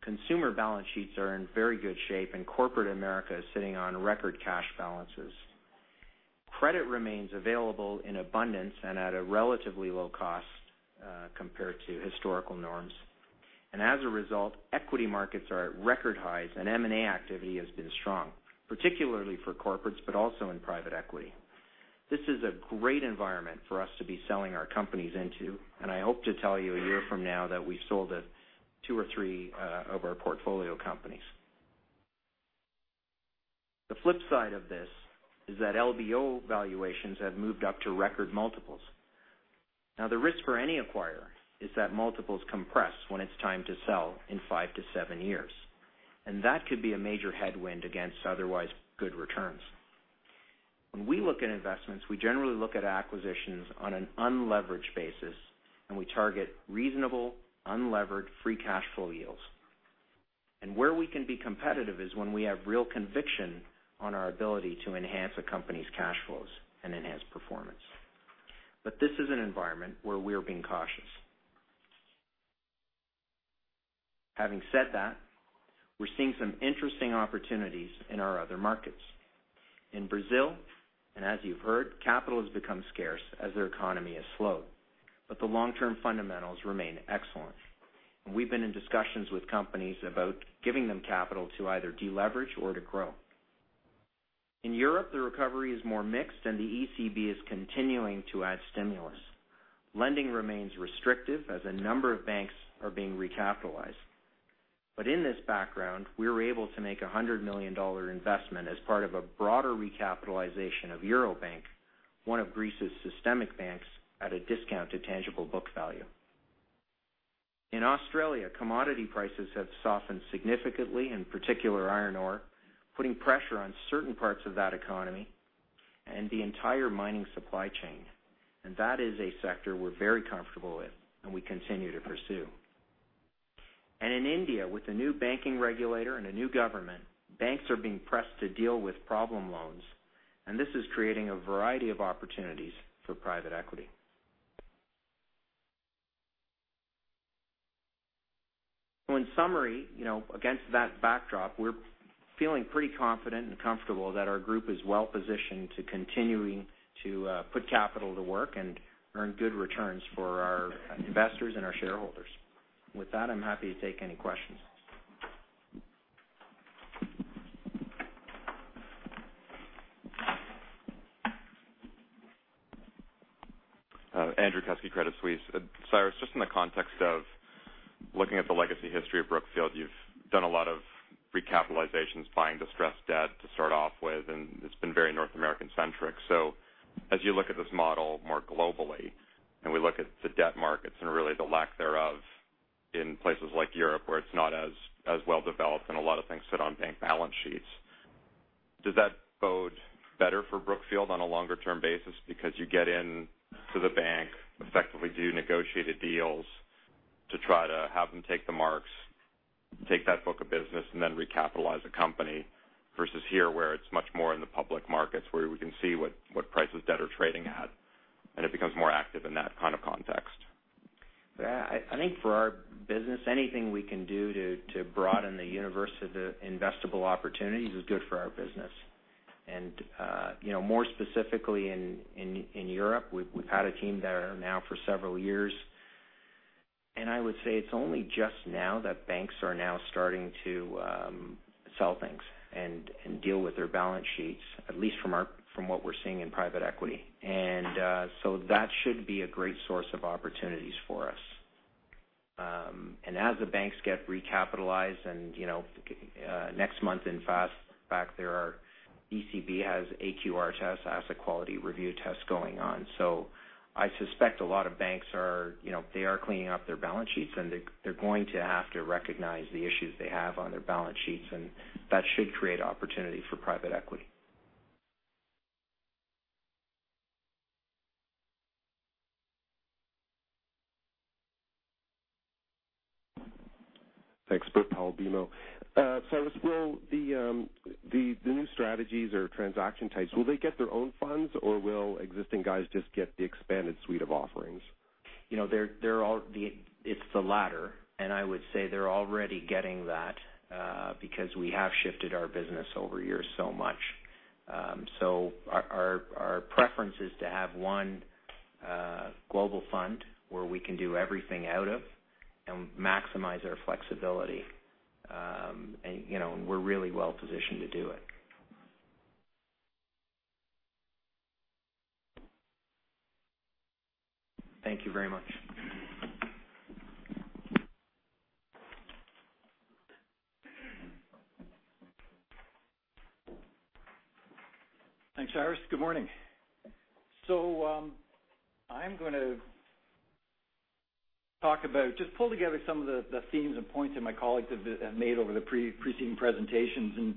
Consumer balance sheets are in very good shape, and corporate America is sitting on record cash balances. Credit remains available in abundance and at a relatively low cost compared to historical norms. As a result, equity markets are at record highs and M&A activity has been strong, particularly for corporates, but also in private equity. This is a great environment for us to be selling our companies into, and I hope to tell you a year from now that we've sold two or three of our portfolio companies. The flip side of this is that LBO valuations have moved up to record multiples. Now, the risk for any acquirer is that multiples compress when it's time to sell in five to seven years. That could be a major headwind against otherwise good returns. When we look at investments, we generally look at acquisitions on an unleveraged basis, and we target reasonable, unlevered, free cash flow yields. Where we can be competitive is when we have real conviction on our ability to enhance a company's cash flows and enhance performance. This is an environment where we are being cautious. Having said that, we're seeing some interesting opportunities in our other markets. In Brazil, as you've heard, capital has become scarce as their economy has slowed. The long-term fundamentals remain excellent, and we've been in discussions with companies about giving them capital to either deleverage or to grow. In Europe, the recovery is more mixed, and the ECB is continuing to add stimulus. Lending remains restrictive as a number of banks are being recapitalized. In this background, we were able to make a $100 million investment as part of a broader recapitalization of Eurobank, one of Greece's systemic banks, at a discount to tangible book value. In Australia, commodity prices have softened significantly, in particular iron ore, putting pressure on certain parts of that economy and the entire mining supply chain. That is a sector we're very comfortable with, and we continue to pursue. In India, with a new banking regulator and a new government, banks are being pressed to deal with problem loans, and this is creating a variety of opportunities for private equity. In summary, against that backdrop, we're feeling pretty confident and comfortable that our group is well-positioned to continuing to put capital to work and earn good returns for our investors and our shareholders. With that, I'm happy to take any questions. Andrew Kusky, Credit Suisse. Cyrus, just in the context of looking at the legacy history of Brookfield, you've done a lot of recapitalizations, buying distressed debt to start off with, and it's been very North American-centric. As you look at this model more globally, and we look at the debt markets and really the lack thereof in places like Europe, where it's not as well developed and a lot of things sit on bank balance sheets. Does that bode better for Brookfield on a longer-term basis? Because you get in to the bank, effectively do negotiated deals to try to have them take the marks, take that book of business, and then recapitalize a company, versus here, where it's much more in the public markets, where we can see what prices debt are trading at, and it becomes more active in that kind of context. I think for our business, anything we can do to broaden the universe of the investable opportunities is good for our business. More specifically in Europe, we've had a team there now for several years. I would say it's only just now that banks are now starting to sell things and deal with their balance sheets, at least from what we're seeing in private equity. That should be a great source of opportunities for us. As the banks get recapitalized and next month, in fact, ECB has AQR test, Asset Quality Review test going on. I suspect a lot of banks are cleaning up their balance sheets, and they're going to have to recognize the issues they have on their balance sheets, and that should create opportunity for private equity. Thanks, Bert, BMO. Cyrus, will the new strategies or transaction types, will they get their own funds, or will existing guys just get the expanded suite of offerings? It's the latter. I would say they're already getting that because we have shifted our business over years so much. Our preference is to have one global fund where we can do everything out of and maximize our flexibility. We're really well positioned to do it. Thank you very much. Thanks, Cyrus. Good morning. I'm going to just pull together some of the themes and points that my colleagues have made over the preceding presentations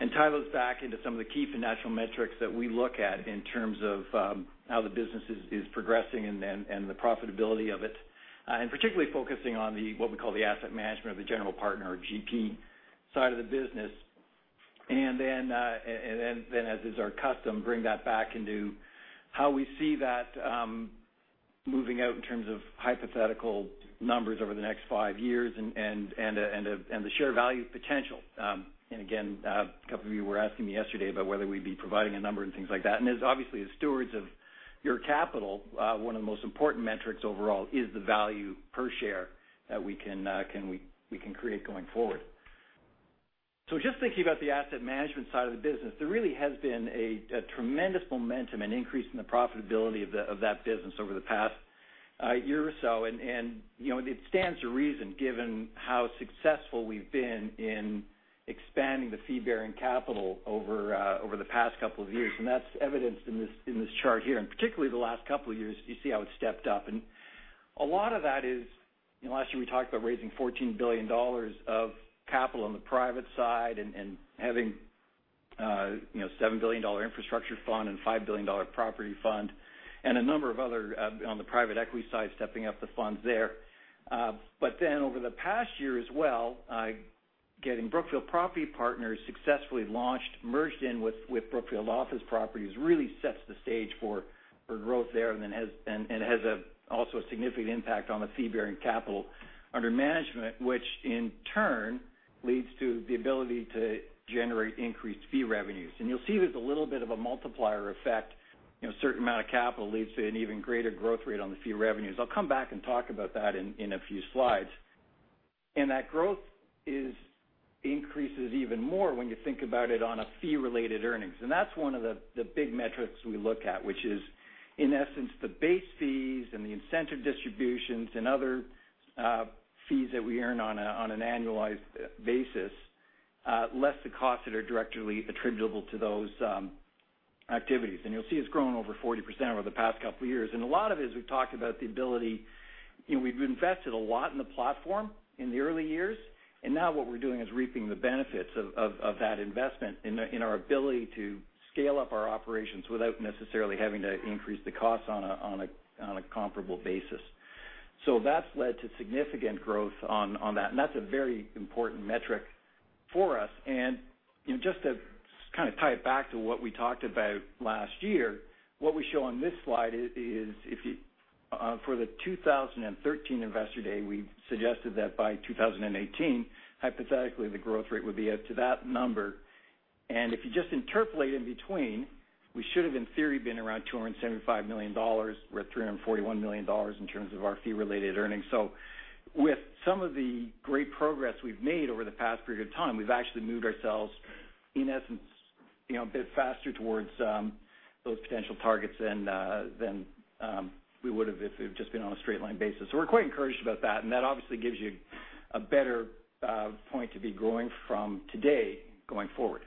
and tie those back into some of the key financial metrics that we look at in terms of how the business is progressing and the profitability of it, particularly focusing on what we call the asset management or the general partner, GP, side of the business. Then, as is our custom, bring that back into how we see that moving out in terms of hypothetical numbers over the next five years and the share value potential. Again, a couple of you were asking me yesterday about whether we'd be providing a number and things like that. As obviously as stewards of your capital, one of the most important metrics overall is the value per share that we can create going forward. Just thinking about the asset management side of the business, there really has been a tremendous momentum and increase in the profitability of that business over the past year or so. It stands to reason, given how successful we've been in expanding the fee-bearing capital over the past couple of years. That's evidenced in this chart here. Particularly the last couple of years, you see how it's stepped up. A lot of that is, last year we talked about raising $14 billion of capital on the private side and having a $7 billion infrastructure fund and $5 billion property fund and a number of other on the private equity side, stepping up the funds there. Over the past year as well, getting Brookfield Property Partners successfully launched, merged in with Brookfield Office Properties really sets the stage for growth there and has also a significant impact on the fee-bearing capital under management, which in turn leads to the ability to generate increased fee revenues. You'll see there's a little bit of a multiplier effect. A certain amount of capital leads to an even greater growth rate on the fee revenues. I'll come back and talk about that in a few slides. That growth increases even more when you think about it on a fee-related earnings. That's one of the big metrics we look at, which is, in essence, the base fees and the incentive distributions and other fees that we earn on an annualized basis, less the costs that are directly attributable to those activities. You'll see it's grown over 40% over the past couple of years. A lot of it is, we've talked about the ability. We've invested a lot in the platform in the early years, now what we're doing is reaping the benefits of that investment in our ability to scale up our operations without necessarily having to increase the costs on a comparable basis. That's led to significant growth on that. That's a very important metric for us. Just to tie it back to what we talked about last year, what we show on this slide is for the 2013 Investor Day, we suggested that by 2018, hypothetically, the growth rate would be up to that number. If you just interpolate in between, we should have, in theory, been around $275 million. We're at $341 million in terms of our fee-related earnings. With some of the great progress we've made over the past period of time, we've actually moved ourselves, in essence, a bit faster towards those potential targets than we would've if it had just been on a straight line basis. We're quite encouraged about that, and that obviously gives you a better point to be going from today going forward.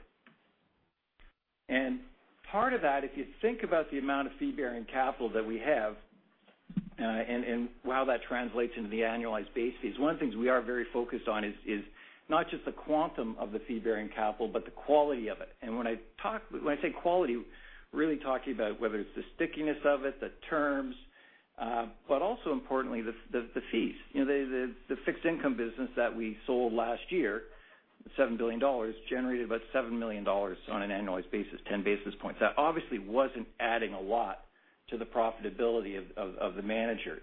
Part of that, if you think about the amount of fee-bearing capital that we have and how that translates into the annualized base fees, one of the things we are very focused on is not just the quantum of the fee-bearing capital, but the quality of it. When I say quality, really talking about whether it's the stickiness of it, the terms, but also importantly, the fees. The fixed income business that we sold last year, $7 billion, generated about $7 million on an annualized basis, 10 basis points. That obviously wasn't adding a lot to the profitability of the manager.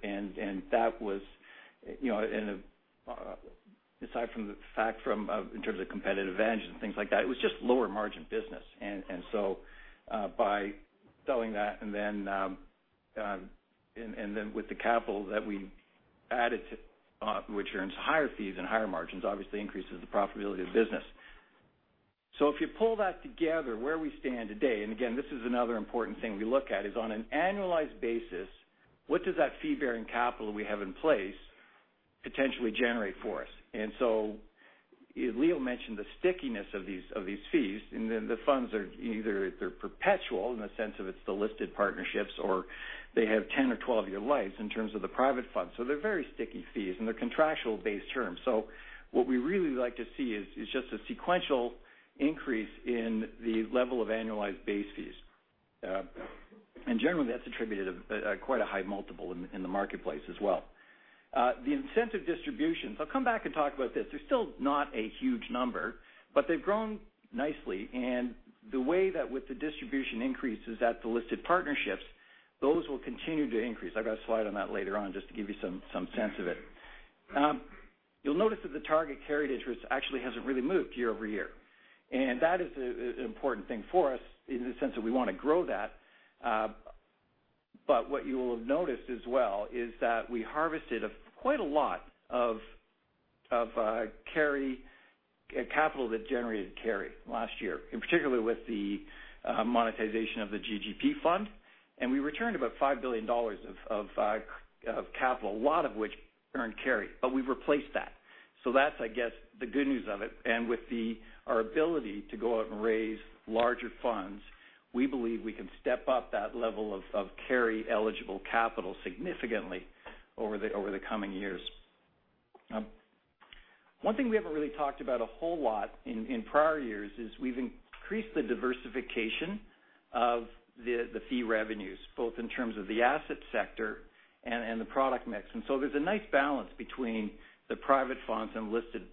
Aside from the fact from in terms of competitive advantage and things like that, it was just lower margin business. By selling that, and then with the capital that we added, which earns higher fees and higher margins, obviously increases the profitability of the business. If you pull that together, where we stand today, again, this is another important thing we look at, is on an annualized basis, what does that fee-bearing capital we have in place potentially generate for us? Leo mentioned the stickiness of these fees, and then the funds either they're perpetual in the sense of it's the listed partnerships, or they have 10 or 12-year lives in terms of the private funds. They're very sticky fees, and they're contractual-based terms. What we really like to see is just a sequential increase in the level of annualized base fees. Generally, that's attributed at quite a high multiple in the marketplace as well. The incentive distributions. I'll come back and talk about this. They're still not a huge number, but they've grown nicely. The way that with the distribution increases at the listed partnerships, those will continue to increase. I've got a slide on that later on, just to give you some sense of it. You'll notice that the target carried interest actually hasn't really moved year-over-year. That is an important thing for us in the sense that we want to grow that. What you will have noticed as well is that we harvested quite a lot of capital that generated carry last year, in particular with the monetization of the GGP fund. We returned about $5 billion of capital, a lot of which earned carry, but we've replaced that. That's, I guess, the good news of it. With our ability to go out and raise larger funds, we believe we can step up that level of carry-eligible capital significantly over the coming years. One thing we haven't really talked about a whole lot in prior years is we've increased the diversification of the fee revenues, both in terms of the asset sector and the product mix. There's a nice balance between the private funds and listed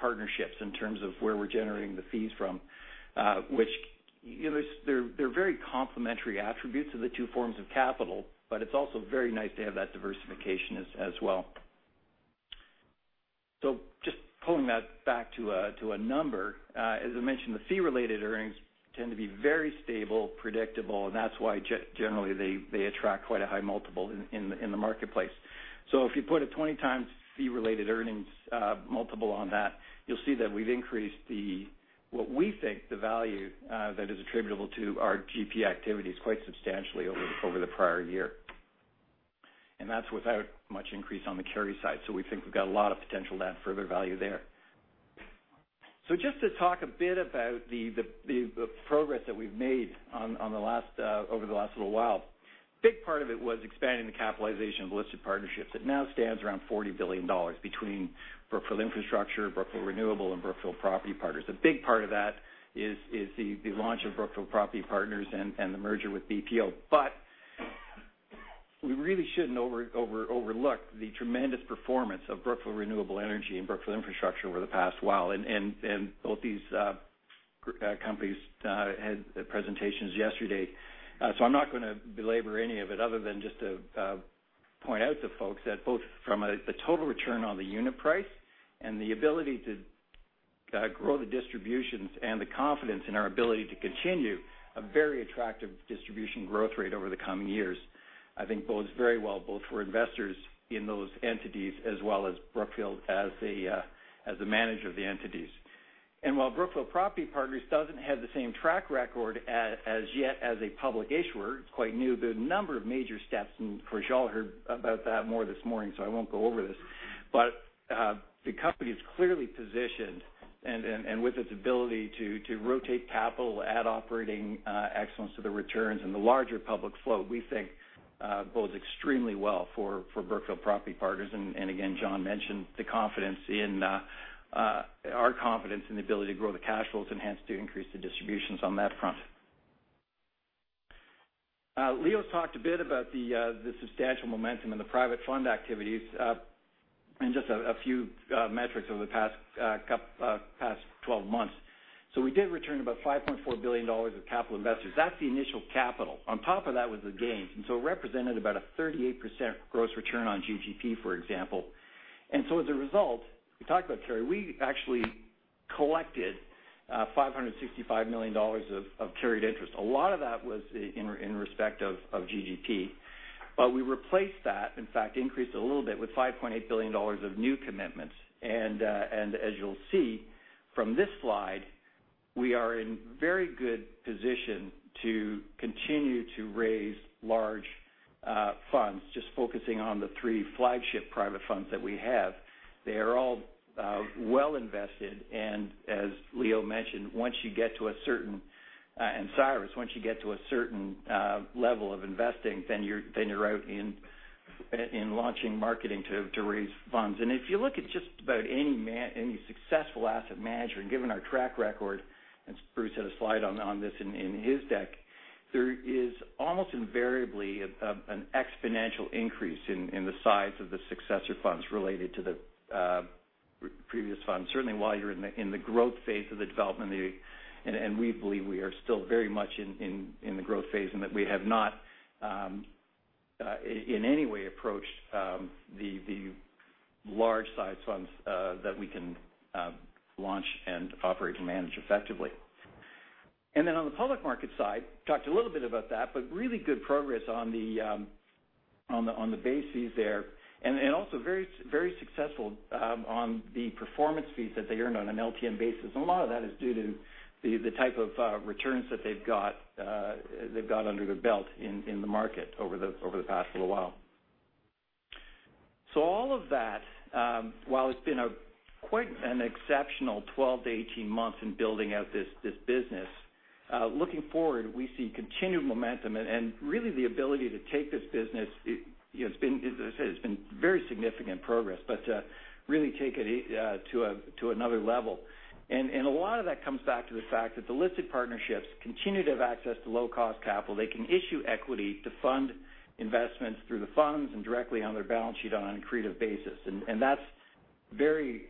partnerships in terms of where we're generating the fees from. They're very complementary attributes of the two forms of capital, but it's also very nice to have that diversification as well. Just pulling that back to a number. As I mentioned, the fee-related earnings tend to be very stable, predictable, and that's why generally they attract quite a high multiple in the marketplace. If you put a 20 times fee-related earnings multiple on that, you'll see that we've increased what we think the value that is attributable to our GP activities quite substantially over the prior year. That's without much increase on the carry side. We think we've got a lot of potential to add further value there. Just to talk a bit about the progress that we've made over the last little while. Big part of it was expanding the capitalization of listed partnerships. It now stands around $40 billion between Brookfield Infrastructure, Brookfield Renewable, and Brookfield Property Partners. A big part of that is the launch of Brookfield Property Partners and the merger with BPO. We really shouldn't overlook the tremendous performance of Brookfield Renewable Energy and Brookfield Infrastructure over the past while. Both these companies had presentations yesterday. I'm not going to belabor any of it other than just to point out to folks that both from a total return on the unit price and the ability to grow the distributions and the confidence in our ability to continue a very attractive distribution growth rate over the coming years, I think bodes very well both for investors in those entities as well as Brookfield as the manager of the entities. While Brookfield Property Partners doesn't have the same track record as yet as a public issuer, it's quite new. The number of major steps, and of course, you all heard about that more this morning, so I won't go over this. The company is clearly positioned, and with its ability to rotate capital, add operating excellence to the returns, and the larger public float, we think bodes extremely well for Brookfield Property Partners. Again, John mentioned our confidence in the ability to grow the cash flows and hence to increase the distributions on that front. Leo's talked a bit about the substantial momentum in the private fund activities, and just a few metrics over the past 12 months. We did return about $5.4 billion of capital investors. That's the initial capital. On top of that was the gains, and so it represented about a 38% gross return on GGP, for example. As a result, we talked about carry. We actually collected $565 million of carried interest. A lot of that was in respect of GGP. We replaced that, in fact, increased it a little bit with $5.8 billion of new commitments. As you'll see from this slide, we are in very good position to continue to raise large funds, just focusing on the three flagship private funds that we have. They are all well invested, and as Leo mentioned, and Cyrus, once you get to a certain level of investing, then you're out in launching marketing to raise funds. If you look at just about any successful asset manager, and given our track record, as Bruce had a slide on this in his deck, there is almost invariably an exponential increase in the size of the successor funds related to the previous fund. Certainly, while you're in the growth phase of the development. We believe we are still very much in the growth phase, and that we have not in any way approached the large size funds that we can launch and operate and manage effectively. On the public market side, talked a little bit about that, but really good progress on the bases there. Also very successful on the performance fees that they earned on an LTM basis. A lot of that is due to the type of returns that they've got under their belt in the market over the past little while. All of that, while it's been quite an exceptional 12 to 18 months in building out this business. Looking forward, we see continued momentum, and really the ability to take this business. It has been very significant progress, but to really take it to another level. A lot of that comes back to the fact that the listed partnerships continue to have access to low-cost capital. They can issue equity to fund investments through the funds and directly on their balance sheet on an accretive basis. That's very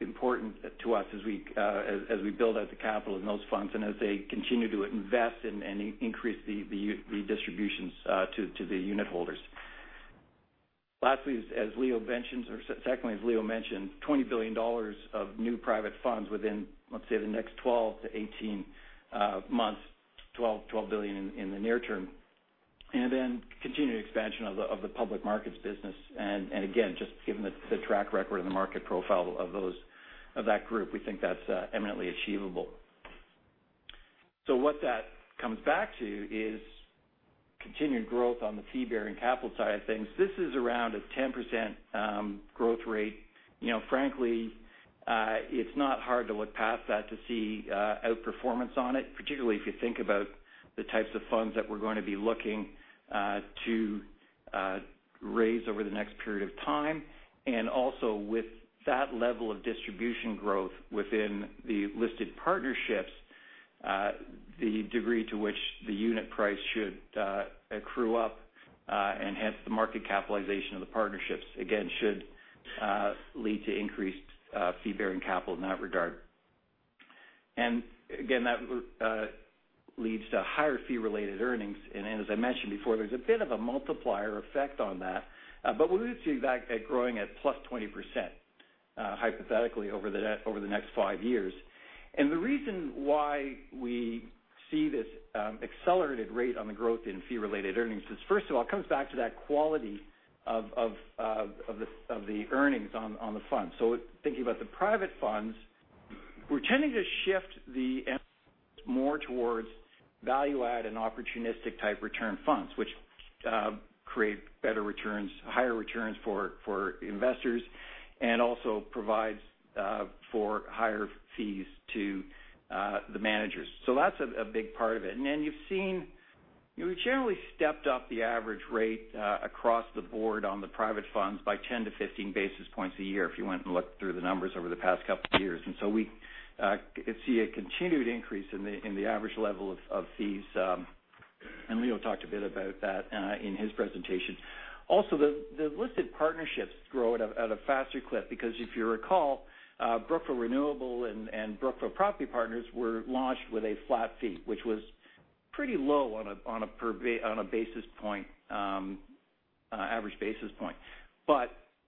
important to us as we build out the capital in those funds and as they continue to invest and increase the distributions to the unit holders. Lastly, as Leo mentioned, or secondly, as Leo mentioned, $20 billion of new private funds within, let's say, the next 12 to 18 months, $12 billion in the near term. Continued expansion of the public markets business. Again, just given the track record and the market profile of that group, we think that's eminently achievable. What that comes back to is continued growth on the fee-bearing capital side of things. This is around a 10% growth rate. Frankly, it's not hard to look past that to see outperformance on it, particularly if you think about the types of funds that we're going to be looking to raise over the next period of time. Also, with that level of distribution growth within the listed partnerships, the degree to which the unit price should accrue up, and hence the market capitalization of the partnerships, again, should lead to increased fee-bearing capital in that regard. That leads to higher fee-related earnings. As I mentioned before, there's a bit of a multiplier effect on that. We'll see that growing at +20%, hypothetically, over the next five years. The reason why we see this accelerated rate on the growth in fee-related earnings is, first of all, it comes back to that quality of the earnings on the fund. Thinking about the private funds, we're tending to shift the emphasis more towards value-add and opportunistic-type return funds, which create better returns, higher returns for investors, and also provides for higher fees to the managers. That's a big part of it. You've seen, we've generally stepped up the average rate across the board on the private funds by 10-15 basis points a year if you went and looked through the numbers over the past couple of years. We could see a continued increase in the average level of fees. Leo talked a bit about that in his presentation. Also, the listed partnerships grow at a faster clip because if you recall, Brookfield Renewable and Brookfield Property Partners were launched with a flat fee, which was pretty low on an average basis point.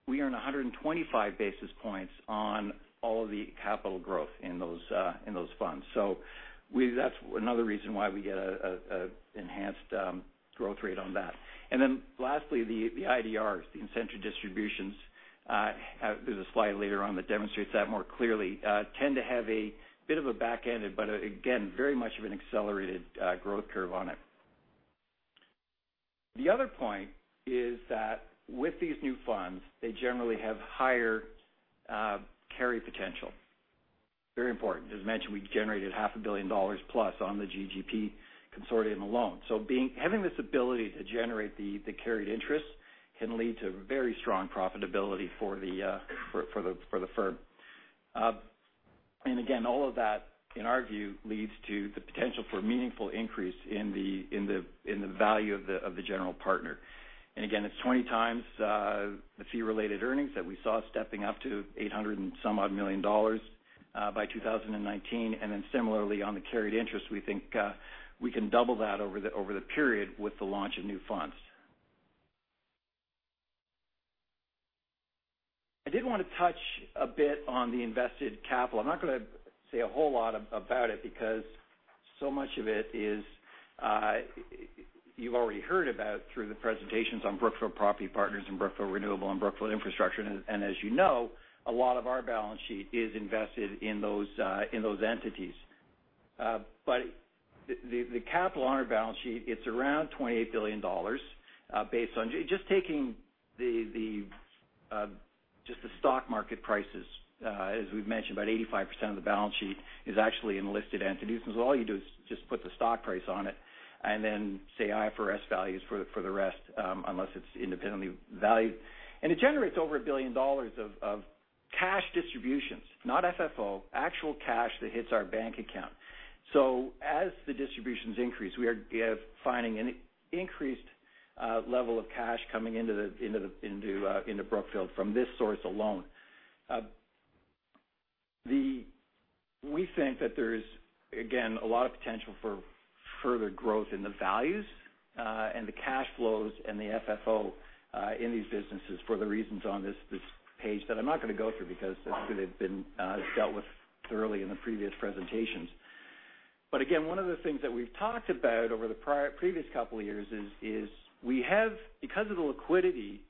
We earn 125 basis points on all of the capital growth in those funds. That's another reason why we get an enhanced growth rate on that. Lastly, the IDRs, the incentive distributions, there's a slide later on that demonstrates that more clearly, tend to have a bit of a back end, but again, very much of an accelerated growth curve on it. The other point is that with these new funds, they generally have higher carry potential. Very important. As mentioned, we generated half a billion dollars plus on the GGP consortium alone. Having this ability to generate the carried interest can lead to very strong profitability for the firm. Again, all of that, in our view, leads to the potential for a meaningful increase in the value of the general partner. Again, it's 20 times the fee-related earnings that we saw stepping up to $800 and some odd million by 2019. Similarly, on the carried interest, we think we can double that over the period with the launch of new funds. I did want to touch a bit on the invested capital. I'm not going to say a whole lot about it because so much of it is, you've already heard about through the presentations on Brookfield Property Partners and Brookfield Renewable and Brookfield Infrastructure. As you know, a lot of our balance sheet is invested in those entities. The capital on our balance sheet, it's around $28 billion based on just taking the stock market prices. As we've mentioned, about 85% of the balance sheet is actually in listed entities. All you do is just put the stock price on it and then say IFRS values for the rest, unless it's independently valued. It generates over $1 billion of cash distributions, not FFO, actual cash that hits our bank account. As the distributions increase, we are finding an increased level of cash coming into Brookfield from this source alone. We think there's, again, a lot of potential for further growth in the values, and the cash flows, and the FFO in these businesses for the reasons on this page that I'm not going to go through because that's going to have been dealt with thoroughly in the previous presentations. Again, one of the things that we've talked about over the previous couple of years is because of the liquidity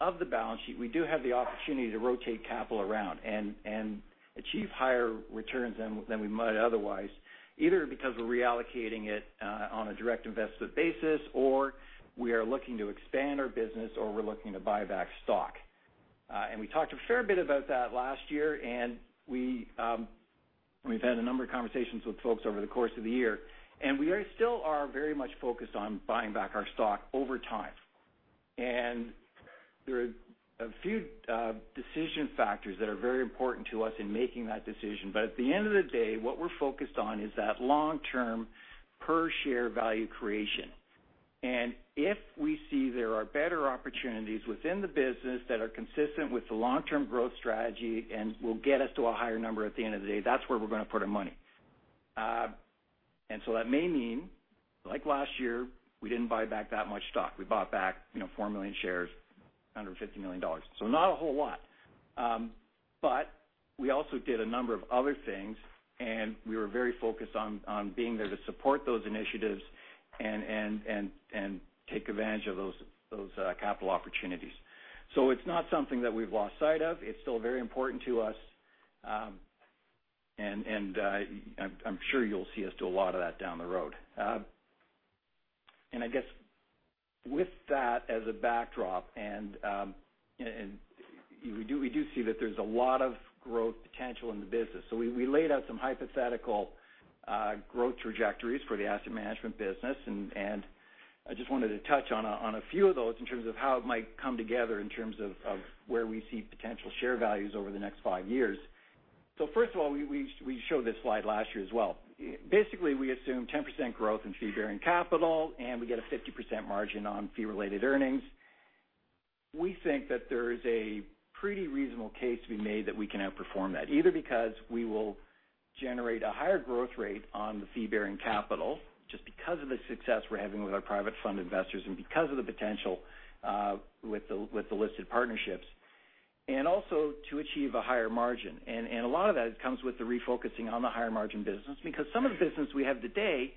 of the balance sheet, we do have the opportunity to rotate capital around and achieve higher returns than we might otherwise, either because we're reallocating it on a direct investment basis, or we are looking to expand our business, or we're looking to buy back stock. We talked a fair bit about that last year, and we've had a number of conversations with folks over the course of the year, and we still are very much focused on buying back our stock over time. There are a few decision factors that are very important to us in making that decision. At the end of the day, what we're focused on is that long-term per-share value creation. If we see there are better opportunities within the business that are consistent with the long-term growth strategy and will get us to a higher number at the end of the day, that's where we're going to put our money. That may mean, like last year, we didn't buy back that much stock. We bought back 4 million shares, $150 million. Not a whole lot. We also did a number of other things, and we were very focused on being there to support those initiatives and take advantage of those capital opportunities. It's not something that we've lost sight of. It's still very important to us, and I'm sure you'll see us do a lot of that down the road. I guess with that as a backdrop, we do see that there's a lot of growth potential in the business. We laid out some hypothetical growth trajectories for the asset management business. I just wanted to touch on a few of those in terms of how it might come together in terms of where we see potential share values over the next five years. First of all, we showed this slide last year as well. Basically, we assume 10% growth in fee-bearing capital, and we get a 50% margin on fee-related earnings. We think there is a pretty reasonable case to be made that we can outperform that, either because we will generate a higher growth rate on the fee-bearing capital, just because of the success we're having with our private fund investors and because of the potential with the listed partnerships, also to achieve a higher margin. A lot of that comes with the refocusing on the higher margin business, because some of the business we have today,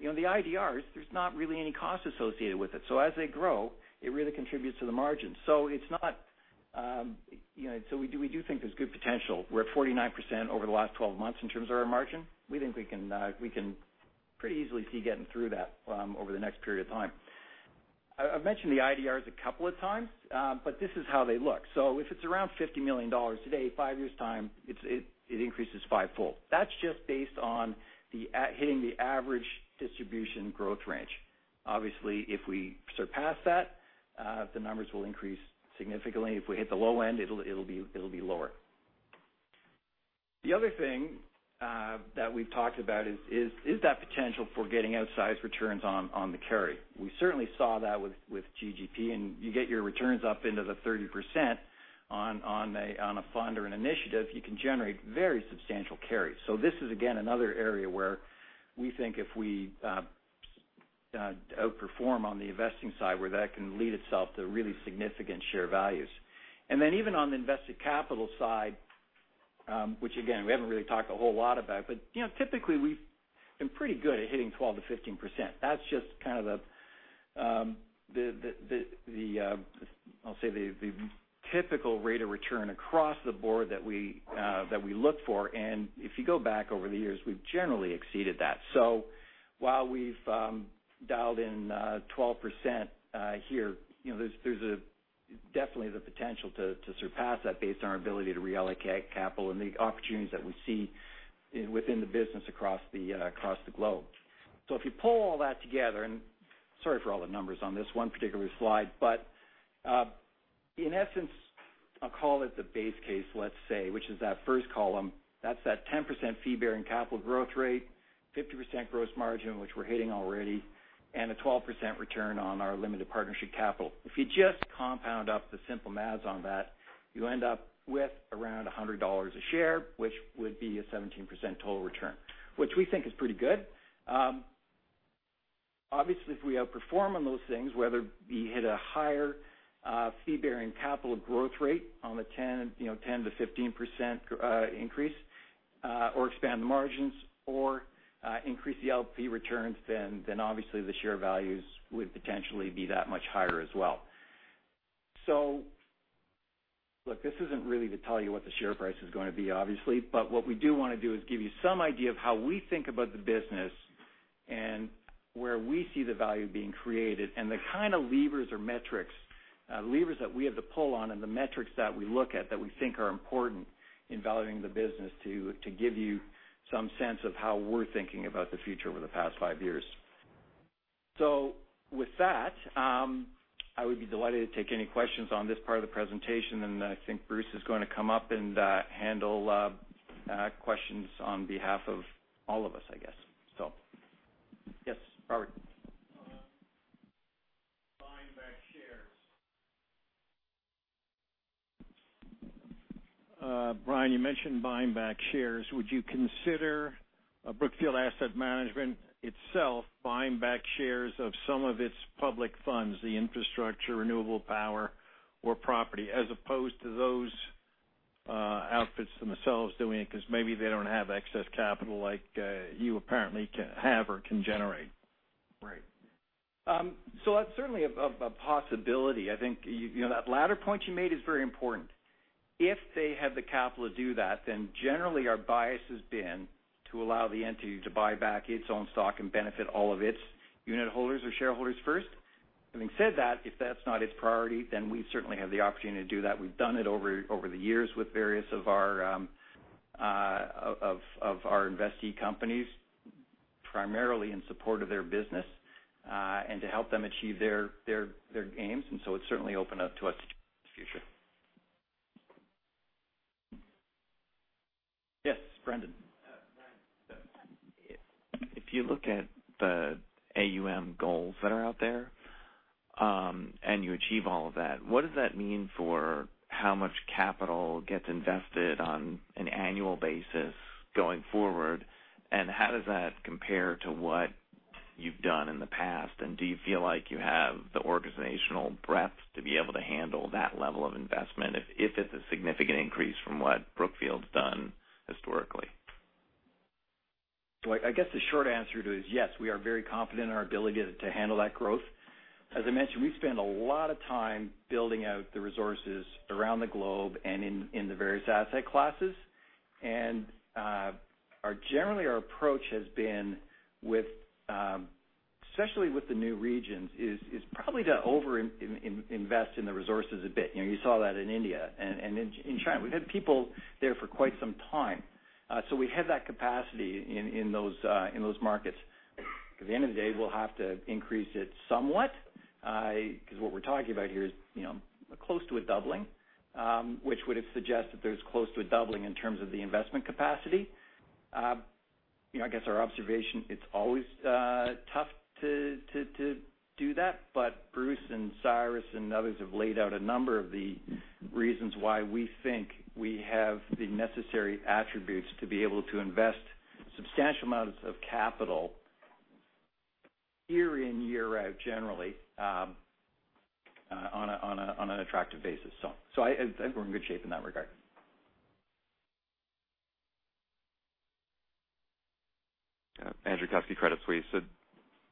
the IDRs, there's not really any cost associated with it. As they grow, it really contributes to the margin. We do think there's good potential. We're at 49% over the last 12 months in terms of our margin. We think we can pretty easily see getting through that over the next period of time. I've mentioned the IDRs a couple of times, but this is how they look. If it's around $50 million today, five years' time, it increases fivefold. That's just based on hitting the average distribution growth range. Obviously, if we surpass that, the numbers will increase significantly. If we hit the low end, it'll be lower. The other thing that we've talked about is that potential for getting outsized returns on the carry. We certainly saw that with GGP, you get your returns up into the 30% on a fund or an initiative, you can generate very substantial carry. This is, again, another area where we think if we outperform on the investing side, where that can lead itself to really significant share values. Even on the invested capital side, which again, we haven't really talked a whole lot about, but typically, we've been pretty good at hitting 12%-15%. That's just the typical rate of return across the board that we look for. If you go back over the years, we've generally exceeded that. While we've dialed in 12% here, there's definitely the potential to surpass that based on our ability to reallocate capital and the opportunities that we see within the business across the globe. If you pull all that together, and sorry for all the numbers on this one particular slide. In essence, I'll call it the base case, let's say, which is that first column. That's that 10% fee-bearing capital growth rate, 50% gross margin, which we're hitting already, and a 12% return on our limited partnership capital. If you just compound up the simple maths on that, you end up with around $100 a share, which would be a 17% total return, which we think is pretty good. Obviously, if we outperform on those things, whether we hit a higher fee-bearing capital growth rate on the 10%-15% increase, or expand the margins, or increase the LP returns, then obviously the share values would potentially be that much higher as well. Look, this isn't really to tell you what the share price is going to be, obviously. What we do want to do is give you some idea of how we think about the business, and where we see the value being created, and the kind of levers or metrics that we have to pull on, and the metrics that we look at that we think are important in valuing the business to give you some sense of how we're thinking about the future over the past five years. With that, I would be delighted to take any questions on this part of the presentation, and I think Bruce is going to come up and handle questions on behalf of all of us, I guess. Yes, Robert. On buying back shares. Brian, you mentioned buying back shares. Would you consider Brookfield Asset Management itself buying back shares of some of its public funds, the Infrastructure, Renewable Power, or Property, as opposed to those outfits themselves doing it? Because maybe they don't have excess capital like you apparently have or can generate. Right. That's certainly a possibility. I think that latter point you made is very important. If they have the capital to do that, then generally our bias has been to allow the entity to buy back its own stock and benefit all of its unit holders or shareholders first. Having said that, if that's not its priority, then we certainly have the opportunity to do that. We've done it over the years with various of our investee companies, primarily in support of their business, and to help them achieve their aims. It's certainly open up to us in the future. Yes, Brandon. Brian, if you look at the AUM goals that are out there, you achieve all of that, what does that mean for how much capital gets invested on an annual basis going forward? How does that compare to what you've done in the past? Do you feel like you have the organizational breadth to be able to handle that level of investment if it's a significant increase from what Brookfield's done historically? I guess the short answer to it is, yes, we are very confident in our ability to handle that growth. As I mentioned, we spend a lot of time building out the resources around the globe and in the various asset classes. Generally, our approach has been, especially with the new regions, is probably to over-invest in the resources a bit. You saw that in India and in China. We've had people there for quite some time. We have that capacity in those markets. At the end of the day, we'll have to increase it somewhat. Because what we're talking about here is close to a doubling. Which would suggest that there's close to a doubling in terms of the investment capacity. I guess our observation, it's always tough to do that. Bruce and Cyrus and others have laid out a number of the reasons why we think we have the necessary attributes to be able to invest substantial amounts of capital year in, year out, generally, on an attractive basis. I think we're in good shape in that regard. Yeah. Andrew Kusky, Credit Suisse.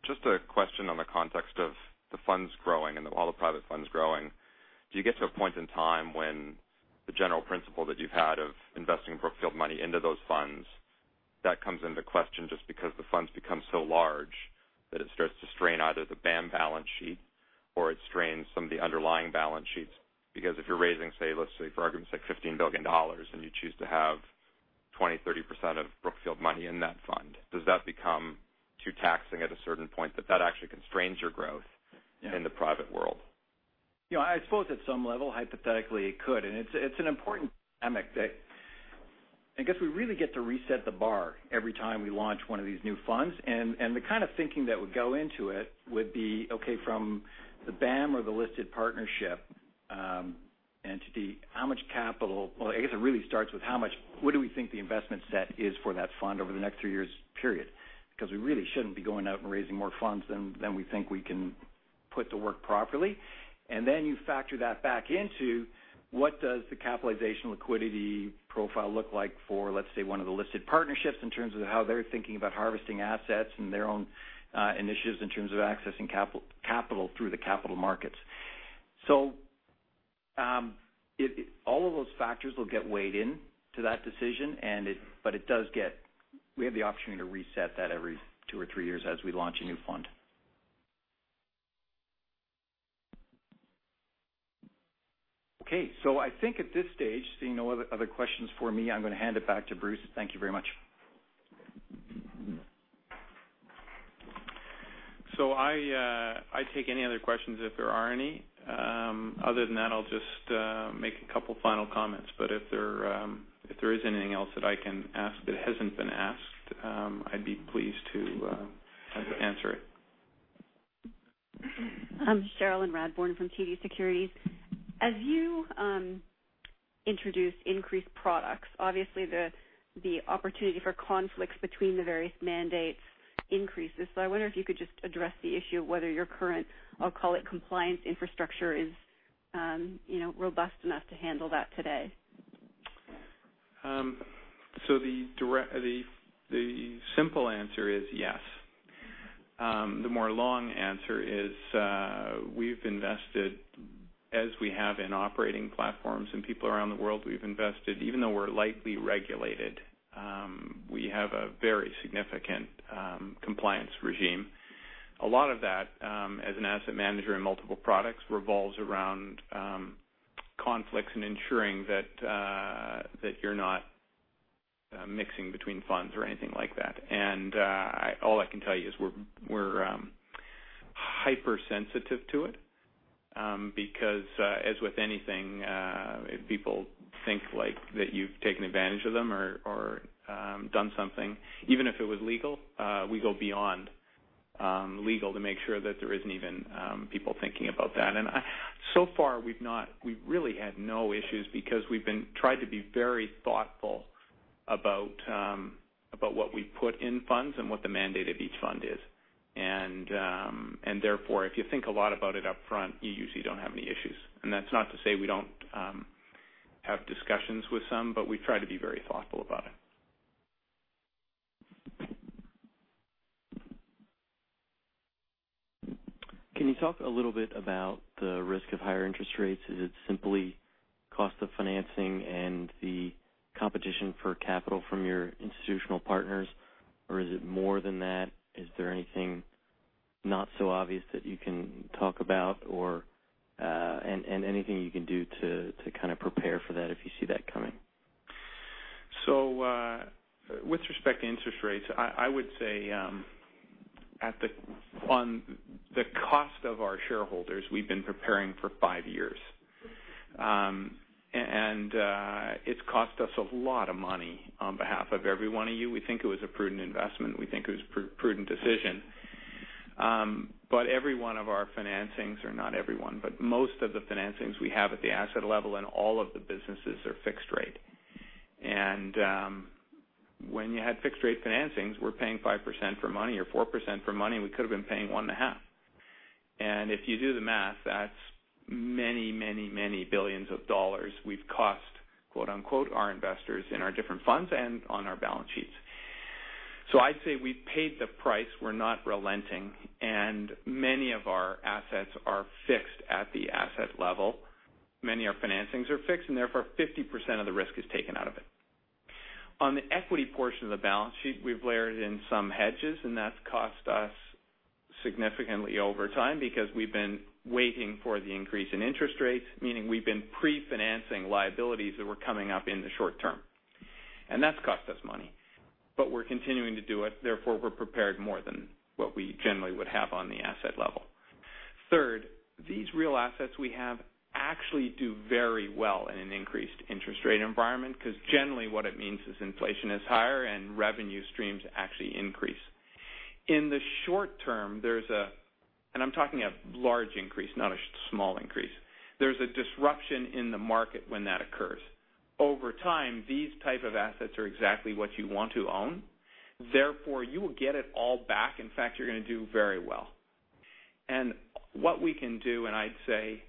Just a question on the context of the funds growing and all the private funds growing. Do you get to a point in time when the general principle that you've had of investing Brookfield money into those funds, that comes into question just because the funds become so large that it starts to strain either the BAM balance sheet, or it strains some of the underlying balance sheets? Because if you're raising, let's say for argument's sake, $15 billion, and you choose to have 20%-30% of Brookfield money in that fund, does that become too taxing at a certain point that that actually constrains your growth in the private world? I suppose at some level, hypothetically, it could. It's an important dynamic that, I guess we really get to reset the bar every time we launch one of these new funds. The kind of thinking that would go into it would be, okay, from the BAM or the listed partnership entity, how much capital Well, I guess it really starts with: What do we think the investment set is for that fund over the next three years period? We really shouldn't be going out and raising more funds than we think we can put to work properly. Then you factor that back into what does the capitalization liquidity profile look like for, let's say, one of the listed partnerships in terms of how they're thinking about harvesting assets and their own initiatives in terms of accessing capital through the capital markets. All of those factors will get weighed in to that decision. We have the opportunity to reset that every two or three years as we launch a new fund. I think at this stage, seeing no other questions for me, I'm going to hand it back to Bruce. Thank you very much. I take any other questions if there are any. Other than that, I'll just make a couple final comments, but if there is anything else that I can ask that hasn't been asked, I'd be pleased to answer it. I'm Cherilyn Radbourne from TD Securities. As you introduce increased products, obviously the opportunity for conflicts between the various mandates increases. I wonder if you could just address the issue of whether your current, I'll call it compliance infrastructure, is robust enough to handle that today. The simple answer is yes. The more long answer is, we've invested, as we have in operating platforms and people around the world, we've invested, even though we're lightly regulated, we have a very significant compliance regime. A lot of that, as an asset manager in multiple products, revolves around conflicts and ensuring that you're not mixing between funds or anything like that. All I can tell you is we're hyper-sensitive to it, because as with anything, if people think that you've taken advantage of them or done something, even if it was legal, we go beyond legal to make sure that there isn't even people thinking about that. So far, we've really had no issues because we've tried to be very thoughtful about what we put in funds and what the mandate of each fund is. Therefore, if you think a lot about it upfront, you usually don't have any issues. That's not to say we don't have discussions with some, but we try to be very thoughtful about it. Can you talk a little bit about the risk of higher interest rates? Is it simply cost of financing and the competition for capital from your institutional partners, or is it more than that? Is there anything not so obvious that you can talk about, and anything you can do to prepare for that if you see that coming? With respect to interest rates, I would say on the cost of our shareholders, we've been preparing for five years. It's cost us a lot of money on behalf of every one of you. We think it was a prudent investment. We think it was a prudent decision. Every one of our financings, or not every one, but most of the financings we have at the asset level and all of the businesses are fixed rate. When you had fixed rate financings, we're paying 5% for money or 4% for money, we could have been paying one and a half. If you do the math, that's many, many, many billions of dollars we've cost, quote unquote, our investors in our different funds and on our balance sheets. I'd say we've paid the price. We're not relenting, many of our assets are fixed at the asset level. Many of our financings are fixed, therefore, 50% of the risk is taken out of it. On the equity portion of the balance sheet, we've layered in some hedges, that's cost us significantly over time because we've been waiting for the increase in interest rates, meaning we've been pre-financing liabilities that were coming up in the short term. That's cost us money. We're continuing to do it. Therefore, we're prepared more than what we generally would have on the asset level. Third, these real assets we have actually do very well in an increased interest rate environment because generally what it means is inflation is higher and revenue streams actually increase. In the short term, I'm talking a large increase, not a small increase, there's a disruption in the market when that occurs. Over time, these type of assets are exactly what you want to own. Therefore, you will get it all back. In fact, you're going to do very well. What we can do, I'd say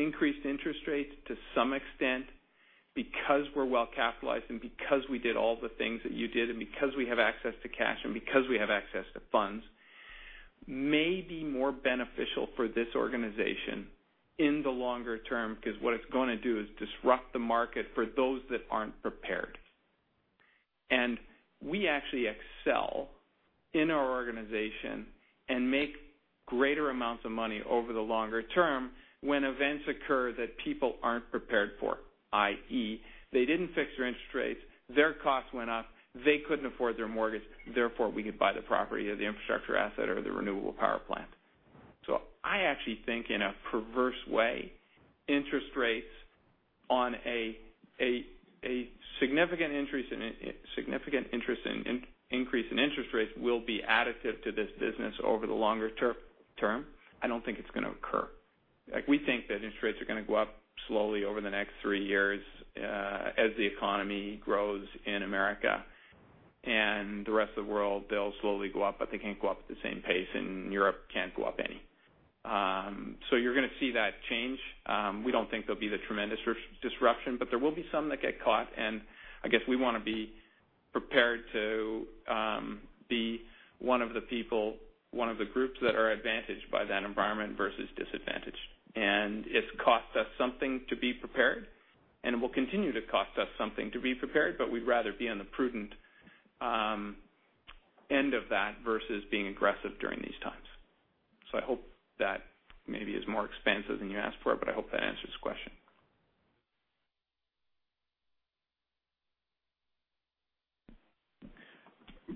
increased interest rates to some extent, because we're well capitalized and because we did all the things that you did, and because we have access to cash and because we have access to funds, may be more beneficial for this organization in the longer term, because what it's going to do is disrupt the market for those that aren't prepared. We actually excel in our organization and make greater amounts of money over the longer term when events occur that people aren't prepared for, i.e., they didn't fix their interest rates, their costs went up, they couldn't afford their mortgage. Therefore, we could buy the property or the infrastructure asset or the renewable power plant. I actually think in a perverse way, a significant increase in interest rates will be additive to this business over the longer term. I don't think it's going to occur. We think that interest rates are going to go up slowly over the next 3 years as the economy grows in America. The rest of the world, they'll slowly go up, but they can't go up at the same pace, and Europe can't go up any. You're going to see that change. We don't think there'll be the tremendous disruption, but there will be some that get caught, and I guess we want to be prepared to be one of the groups that are advantaged by that environment versus disadvantaged. It's cost us something to be prepared, and it will continue to cost us something to be prepared. We'd rather be on the prudent end of that versus being aggressive during these times. I hope that maybe is more expansive than you asked for, but I hope that answers the question.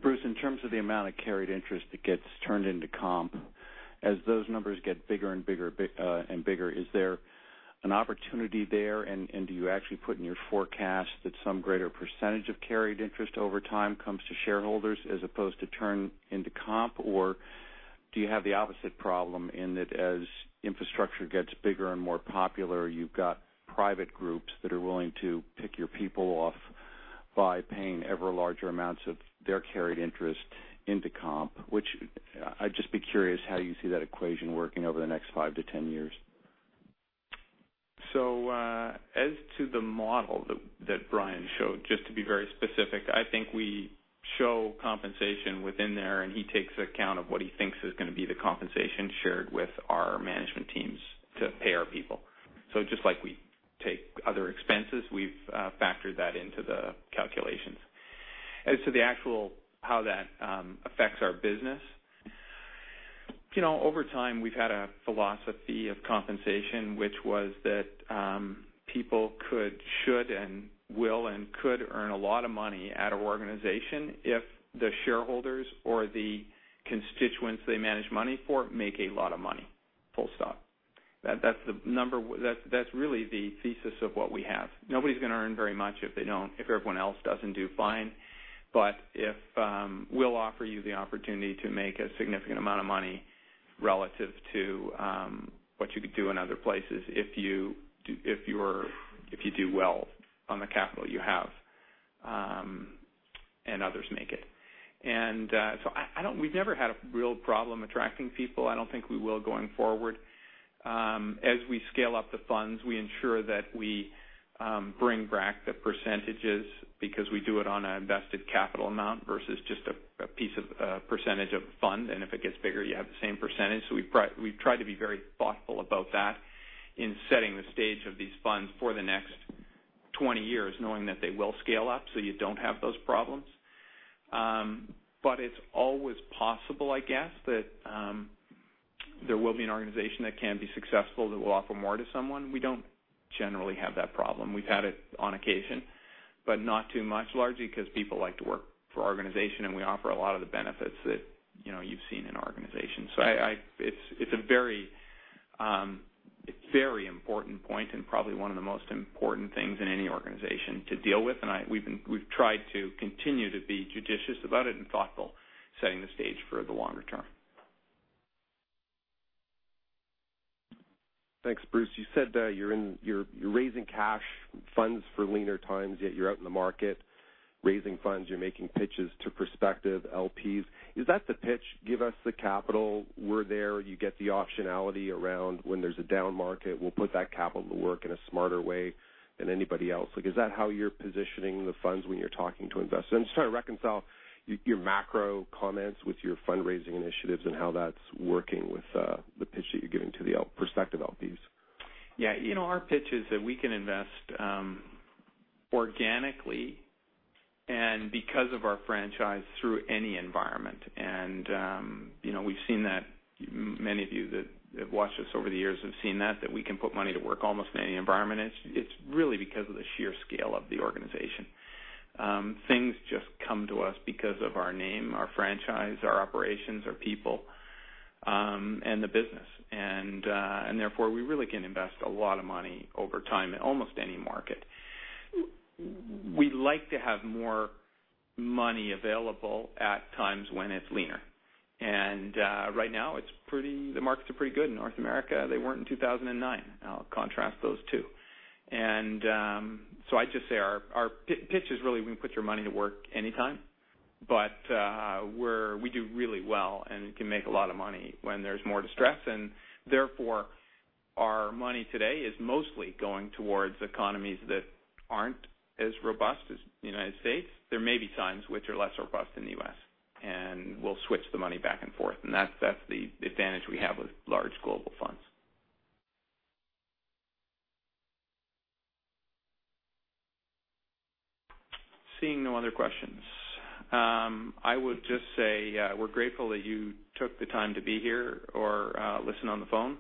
Bruce, in terms of the amount of carried interest that gets turned into comp, as those numbers get bigger and bigger, is there an opportunity there? Do you actually put in your forecast that some greater percentage of carried interest over time comes to shareholders as opposed to turn into comp? Do you have the opposite problem in that as infrastructure gets bigger and more popular, you've got private groups that are willing to pick your people off by paying ever larger amounts of their carried interest into comp? I'd just be curious how you see that equation working over the next 5 to 10 years. As to the model that Brian showed, just to be very specific, I think we show compensation within there, and he takes account of what he thinks is going to be the compensation shared with our management teams to pay our people. Just like we take other expenses, we've factored that into the calculations. As to the actual how that affects our business, over time, we've had a philosophy of compensation, which was that people should and will and could earn a lot of money at our organization if the shareholders or the constituents they manage money for make a lot of money. Full stop. That's really the thesis of what we have. Nobody's going to earn very much if everyone else doesn't do fine. We'll offer you the opportunity to make a significant amount of money relative to what you could do in other places if you do well on the capital you have and others make it. We've never had a real problem attracting people. I don't think we will going forward. As we scale up the funds, we ensure that we bring back the percentages because we do it on an invested capital amount versus just a percentage of fund. If it gets bigger, you have the same percentage. We've tried to be very thoughtful about that in setting the stage of these funds for the next 20 years, knowing that they will scale up so you don't have those problems. It's always possible, I guess, that there will be an organization that can be successful that will offer more to someone. We don't generally have that problem. We've had it on occasion, but not too much, largely because people like to work for our organization, and we offer a lot of the benefits that you've seen in our organization. It's a very important point and probably one of the most important things in any organization to deal with. We've tried to continue to be judicious about it and thoughtful, setting the stage for the longer term. Thanks, Bruce. You said that you're raising cash funds for leaner times, yet you're out in the market raising funds. You're making pitches to prospective LPs. Is that the pitch? Give us the capital. We're there. You get the optionality around when there's a down market. We'll put that capital to work in a smarter way than anybody else. Is that how you're positioning the funds when you're talking to investors? I'm just trying to reconcile your macro comments with your fundraising initiatives and how that's working with the pitch that you're giving to the prospective LPs. Yeah. Our pitch is that we can invest organically and because of our franchise, through any environment. We've seen that many of you that have watched us over the years have seen that we can put money to work almost in any environment. It's really because of the sheer scale of the organization. Things just come to us because of our name, our franchise, our operations, our people, and the business. Therefore, we really can invest a lot of money over time in almost any market. We like to have more money available at times when it's leaner. Right now, the markets are pretty good in North America. They weren't in 2009. I'll contrast those two. I'd just say our pitch is really we can put your money to work anytime. We do really well and can make a lot of money when there's more distress. Therefore, our money today is mostly going towards economies that aren't as robust as the United States. There may be times which are less robust in the U.S., and we'll switch the money back and forth. That's the advantage we have with large global funds. Seeing no other questions. I would just say we're grateful that you took the time to be here or listen on the phone.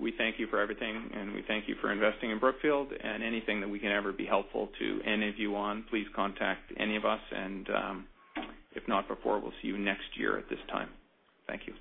We thank you for everything, and we thank you for investing in Brookfield. Anything that we can ever be helpful to any of you on, please contact any of us. If not, before, we'll see you next year at this time. Thank you.